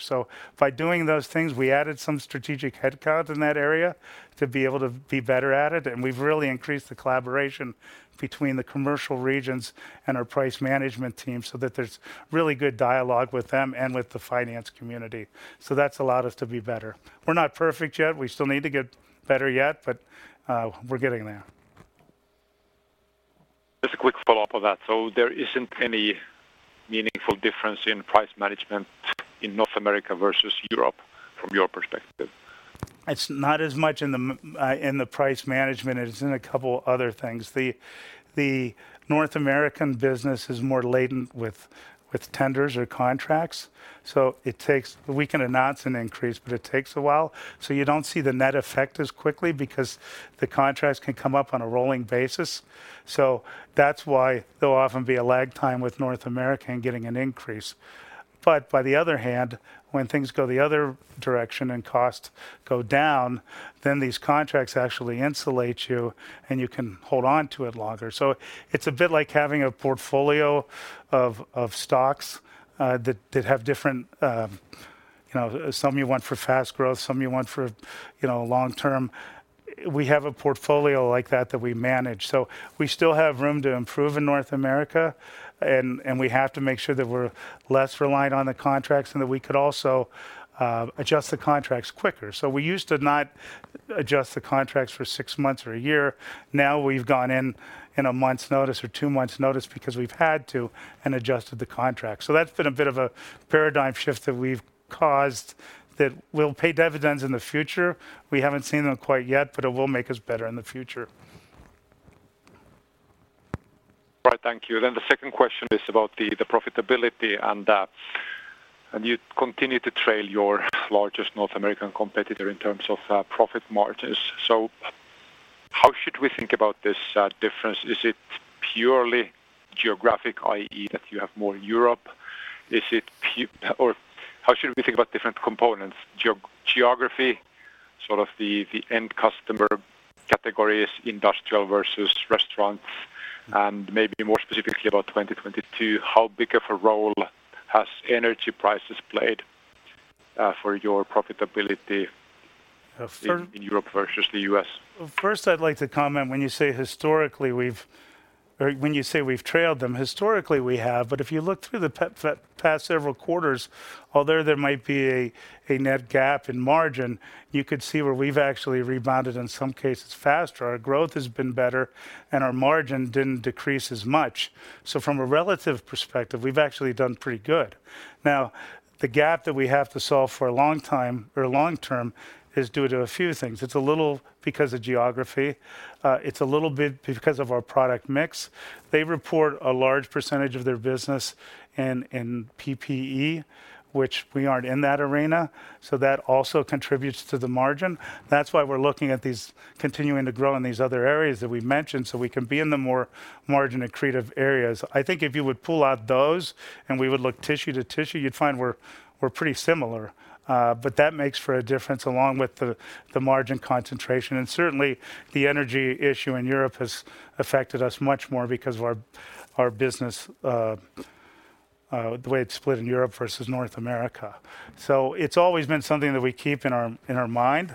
By doing those things, we added some strategic headcount in that area to be able to be better at it, and we've really increased the collaboration between the commercial regions and our price management team so that there's really good dialogue with them and with the finance community. That's allowed us to be better. We're not perfect yet. We still need to get better yet, but we're getting there. Just a quick follow-up of that. There isn't any meaningful difference in price management in North America versus Europe from your perspective? It's not as much in the price management as in a couple other things. The North American business is more laden with tenders or contracts, so it takes. We can announce an increase, but it takes a while. You don't see the net effect as quickly because the contracts can come up on a rolling basis. That's why there'll often be a lag time with North America in getting an increase. By the other hand, when things go the other direction and costs go down, then these contracts actually insulate you, and you can hold on to it longer. It's a bit like having a portfolio of stocks, that have different, you know, some you want for fast growth, some you want for, you know, long-term. We have a portfolio like that that we manage. We still have room to improve in North America and we have to make sure that we're less reliant on the contracts and that we could also adjust the contracts quicker. We used to not adjust the contracts for six months or a year. Now we've gone in in a month's notice or two months' notice because we've had to and adjusted the contract. That's been a bit of a paradigm shift that we've caused that will pay dividends in the future. We haven't seen them quite yet, but it will make us better in the future. Right. Thank you. The second question is about the profitability and you continue to trail your largest North American competitor in terms of profit margins. How should we think about this difference? Is it purely geographic, i.e., that you have more Europe? How should we think about different components? Geography, sort of the end customer categories, industrial versus restaurants, and maybe more specifically about 2022, how big of a role has energy prices played for your profitability. Fir- -in Europe versus the U.S.? First, I'd like to comment, when you say historically, Or when you say we've trailed them, historically we have, but if you look through the past several quarters, although there might be a net gap in margin, you could see where we've actually rebounded in some cases faster. Our growth has been better, and our margin didn't decrease as much. So from a relative perspective, we've actually done pretty good. Now, the gap that we have to solve for a long time or long term is due to a few things. It's a little because of geography. It's a little bit because of our product mix. They report a large percentage of their business in PPE, which we aren't in that arena, so that also contributes to the margin. That's why we're looking at these, continuing to grow in these other areas that we've mentioned, so we can be in the more margin-accretive areas. I think if you would pull out those and we would look tissue to tissue, you'd find we're pretty similar. That makes for a difference along with the margin concentration. Certainly, the energy issue in Europe has affected us much more because of our business, the way it's split in Europe versus North America. It's always been something that we keep in our mind,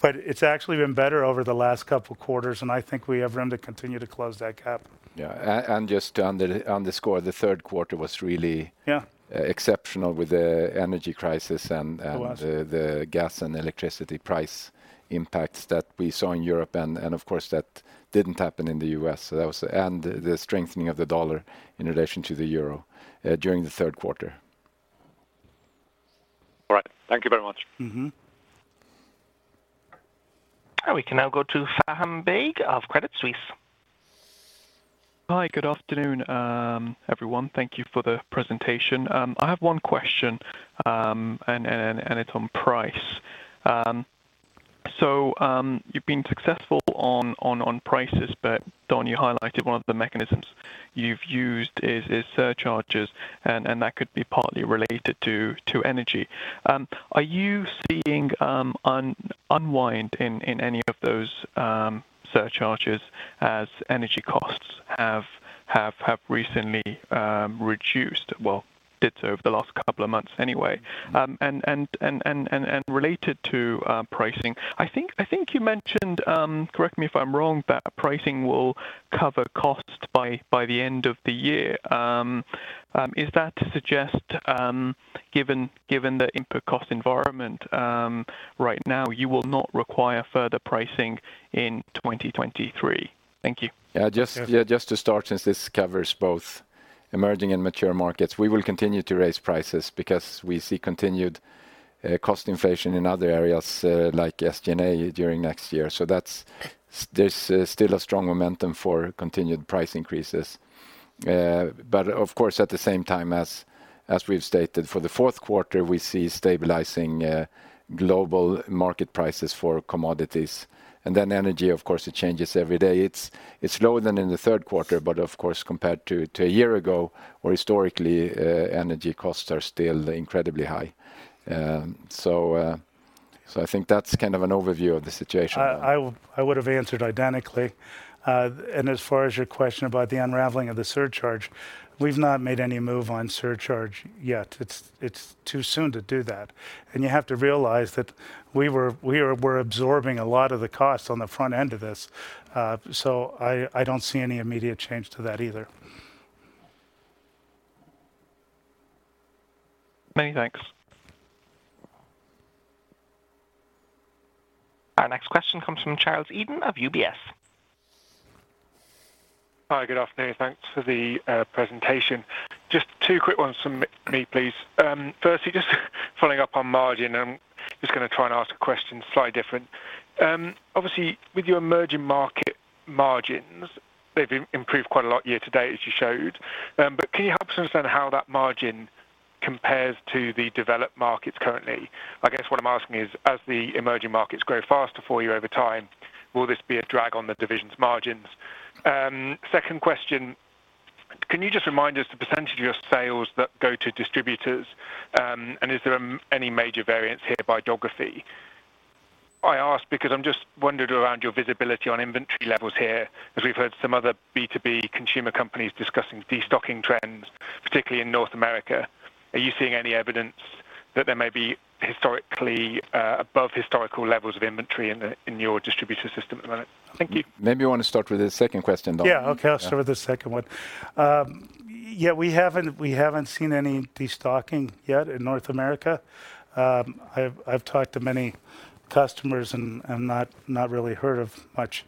but it's actually been better over the last 2 quarters, and I think we have room to continue to close that gap. Yeah. just to underscore, the third quarter was really- Yeah. ...exceptional with the energy crisis and. It was. The gas and electricity price impacts that we saw in Europe and of course that didn't happen in the U.S. The strengthening of the dollar in relation to the euro during the third quarter. Mm-hmm. We can now go to Faham Baig of Credit Suisse. Hi, good afternoon, everyone. Thank you for the presentation. I have one question, and it's on price. You've been successful on prices, but Don, you highlighted one of the mechanisms you've used is surcharges, and that could be partly related to energy. Are you seeing unwind in any of those surcharges as energy costs have recently reduced? Well, did so over the last couple of months anyway. And related to pricing, I think you mentioned, correct me if I'm wrong, that pricing will cover costs by the end of the year. Is that to suggest, given the input cost environment right now, you will not require further pricing in 2023? Thank you. Just to start, since this covers both emerging and mature markets, we will continue to raise prices because we see continued cost inflation in other areas, like SG&A during next year. There's still a strong momentum for continued price increases. Of course, at the same time as we've stated, for the fourth quarter, we see stabilizing global market prices for commodities. Energy, of course, it changes every day. It's lower than in the third quarter, but of course, compared to a year ago or historically, energy costs are still incredibly high. I think that's kind of an overview of the situation. I would have answered identically. As far as your question about the unraveling of the surcharge, we've not made any move on surcharge yet. It's too soon to do that. You have to realize that we are absorbing a lot of the costs on the front end of this. I don't see any immediate change to that either. Many thanks. Our next question comes from Charles Eden of UBS. Hi. Good afternoon. Thanks for the presentation. Just two quick ones from me, please. Firstly, just following up on margin, I'm just gonna try and ask a question slightly different. Obviously with your emerging market margins, they've improved quite a lot year to date, as you showed. Can you help us understand how that margin compares to the developed markets currently? I guess what I'm asking is, as the emerging markets grow faster for you over time, will this be a drag on the divisions margins? Second question, can you just remind us the % of your sales that go to distributors, and is there any major variance here by geography? I ask because I'm just wondered around your visibility on inventory levels here, as we've heard some other B2B consumer companies discussing destocking trends, particularly in North America. Are you seeing any evidence that there may be historically above historical levels of inventory in your distributor system at the moment? Thank you. Maybe you want to start with the second question, Don. Yeah. Okay. Yeah. I'll start with the second one. Yeah, we haven't seen any destocking yet in North America. I've talked to many customers and not really heard of much.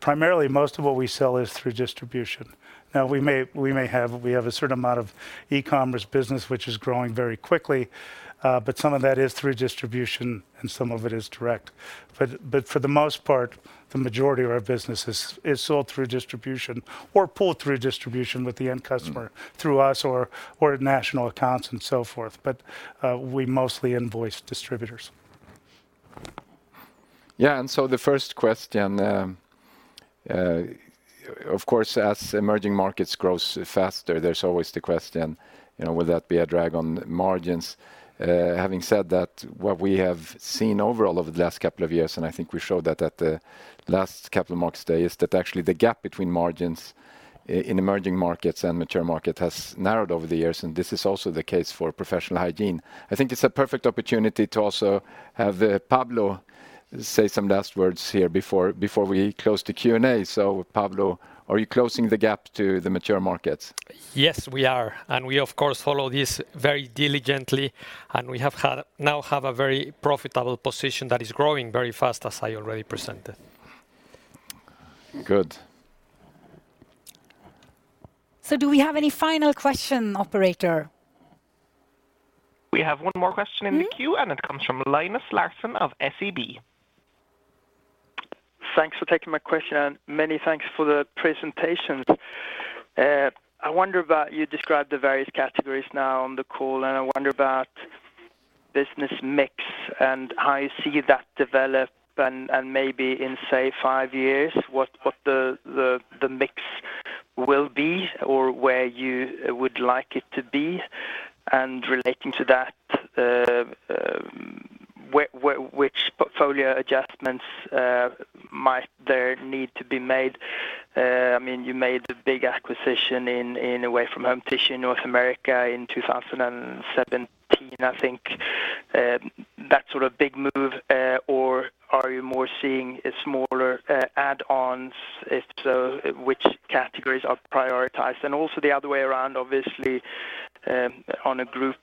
Primarily, most of what we sell is through distribution. We have a certain amount of e-commerce business which is growing very quickly, but some of that is through distribution and some of it is direct. For the most part, the majority of our business is sold through distribution or pulled through distribution with the end customer through us or national accounts and so forth. We mostly invoice distributors. Yeah. The first question, of course, as emerging markets grows faster, there's always the question, you know, will that be a drag on margins? Having said that, what we have seen overall over the last couple of years, and I think we showed that at the last Capital Markets Day, is that actually the gap between margins in emerging markets and mature market has narrowed over the years, and this is also the case for Professional Hygiene. I think it's a perfect opportunity to also have Pablo say some last words here before we close the Q&A. Pablo, are you closing the gap to the mature markets? Yes, we are. We of course follow this very diligently and we now have a very profitable position that is growing very fast, as I already presented. Good. Do we have any final question, Operator? We have one more question in the queue. Mm-hmm. It comes from Linus Larsson of SEB. Thanks for taking my question and many thanks for the presentation. I wonder about, you described the various categories now on the call, and I wonder about business mix and how you see that develop and maybe in, say, five years, what the mix will be or where you would like it to be. Relating to that, which portfolio adjustments might there need to be made? I mean, you made the big acquisition in Away-From-Home Tissue in North America in 2017, I think. That sort of big move, or are you more seeing a smaller add-ons? If so, which categories are prioritized? Also the other way around, obviously, on a group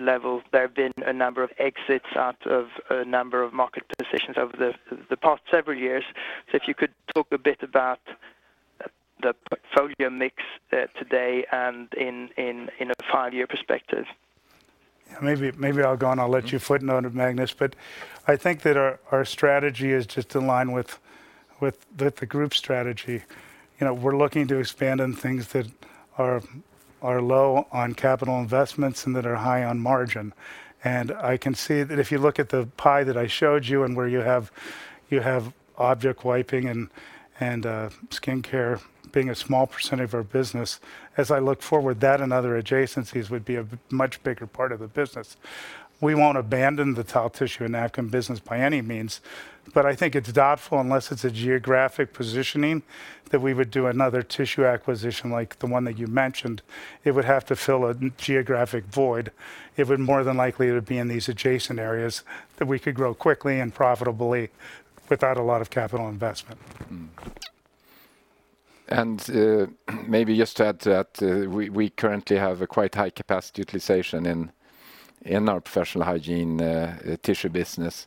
level, there have been a number of exits out of a number of market positions over the past several years. If you could talk a bit about the portfolio mix, today and in a five-year perspective. Maybe I'll go on, I'll let you footnote it, Magnus. I think that our strategy is just in line with the group strategy. You know, we're looking to expand on things that are low on capital investments and that are high on margin. I can see that if you look at the pie that I showed you and where you have object wiping and skincare being a small percentage of our business, as I look forward, that and other adjacencies would be a much bigger part of the business. We won't abandon the towel tissue and napkin business by any means, but I think it's doubtful, unless it's a geographic positioning, that we would do another tissue acquisition like the one that you mentioned. It would have to fill a geographic void. It would more than likely be in these adjacent areas that we could grow quickly and profitably without a lot of capital investment. Mm. Maybe just to add to that, We currently have a quite high capacity utilization in our Professional Hygiene tissue business.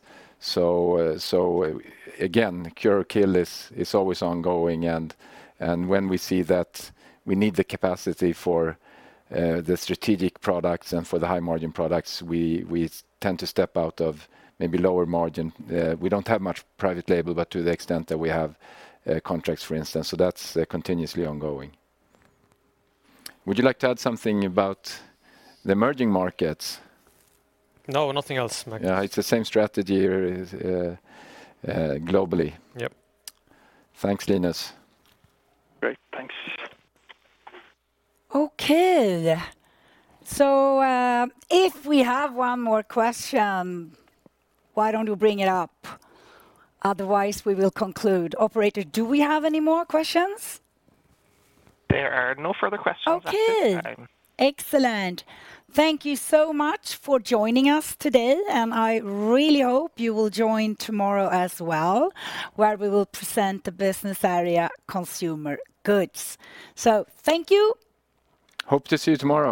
Again, Cure or Kill is always ongoing and when we see that we need the capacity for the strategic products and for the high margin products, we tend to step out of maybe lower margin. We don't have much private label, but to the extent that we have contracts, for instance. That's continuously ongoing. Would you like to add something about the emerging markets? No, nothing else, Magnus. Yeah. It's the same strategy, globally. Yep. Thanks, Linus. Great. Thanks. Okay. If we have one more question, why don't we bring it up? Otherwise, we will conclude. Operator, do we have any more questions? There are no further questions at this time. Okay. Excellent. Thank you so much for joining us today. I really hope you will join tomorrow as well, where we will present the business area Consumer Goods. Thank you. Hope to see you tomorrow.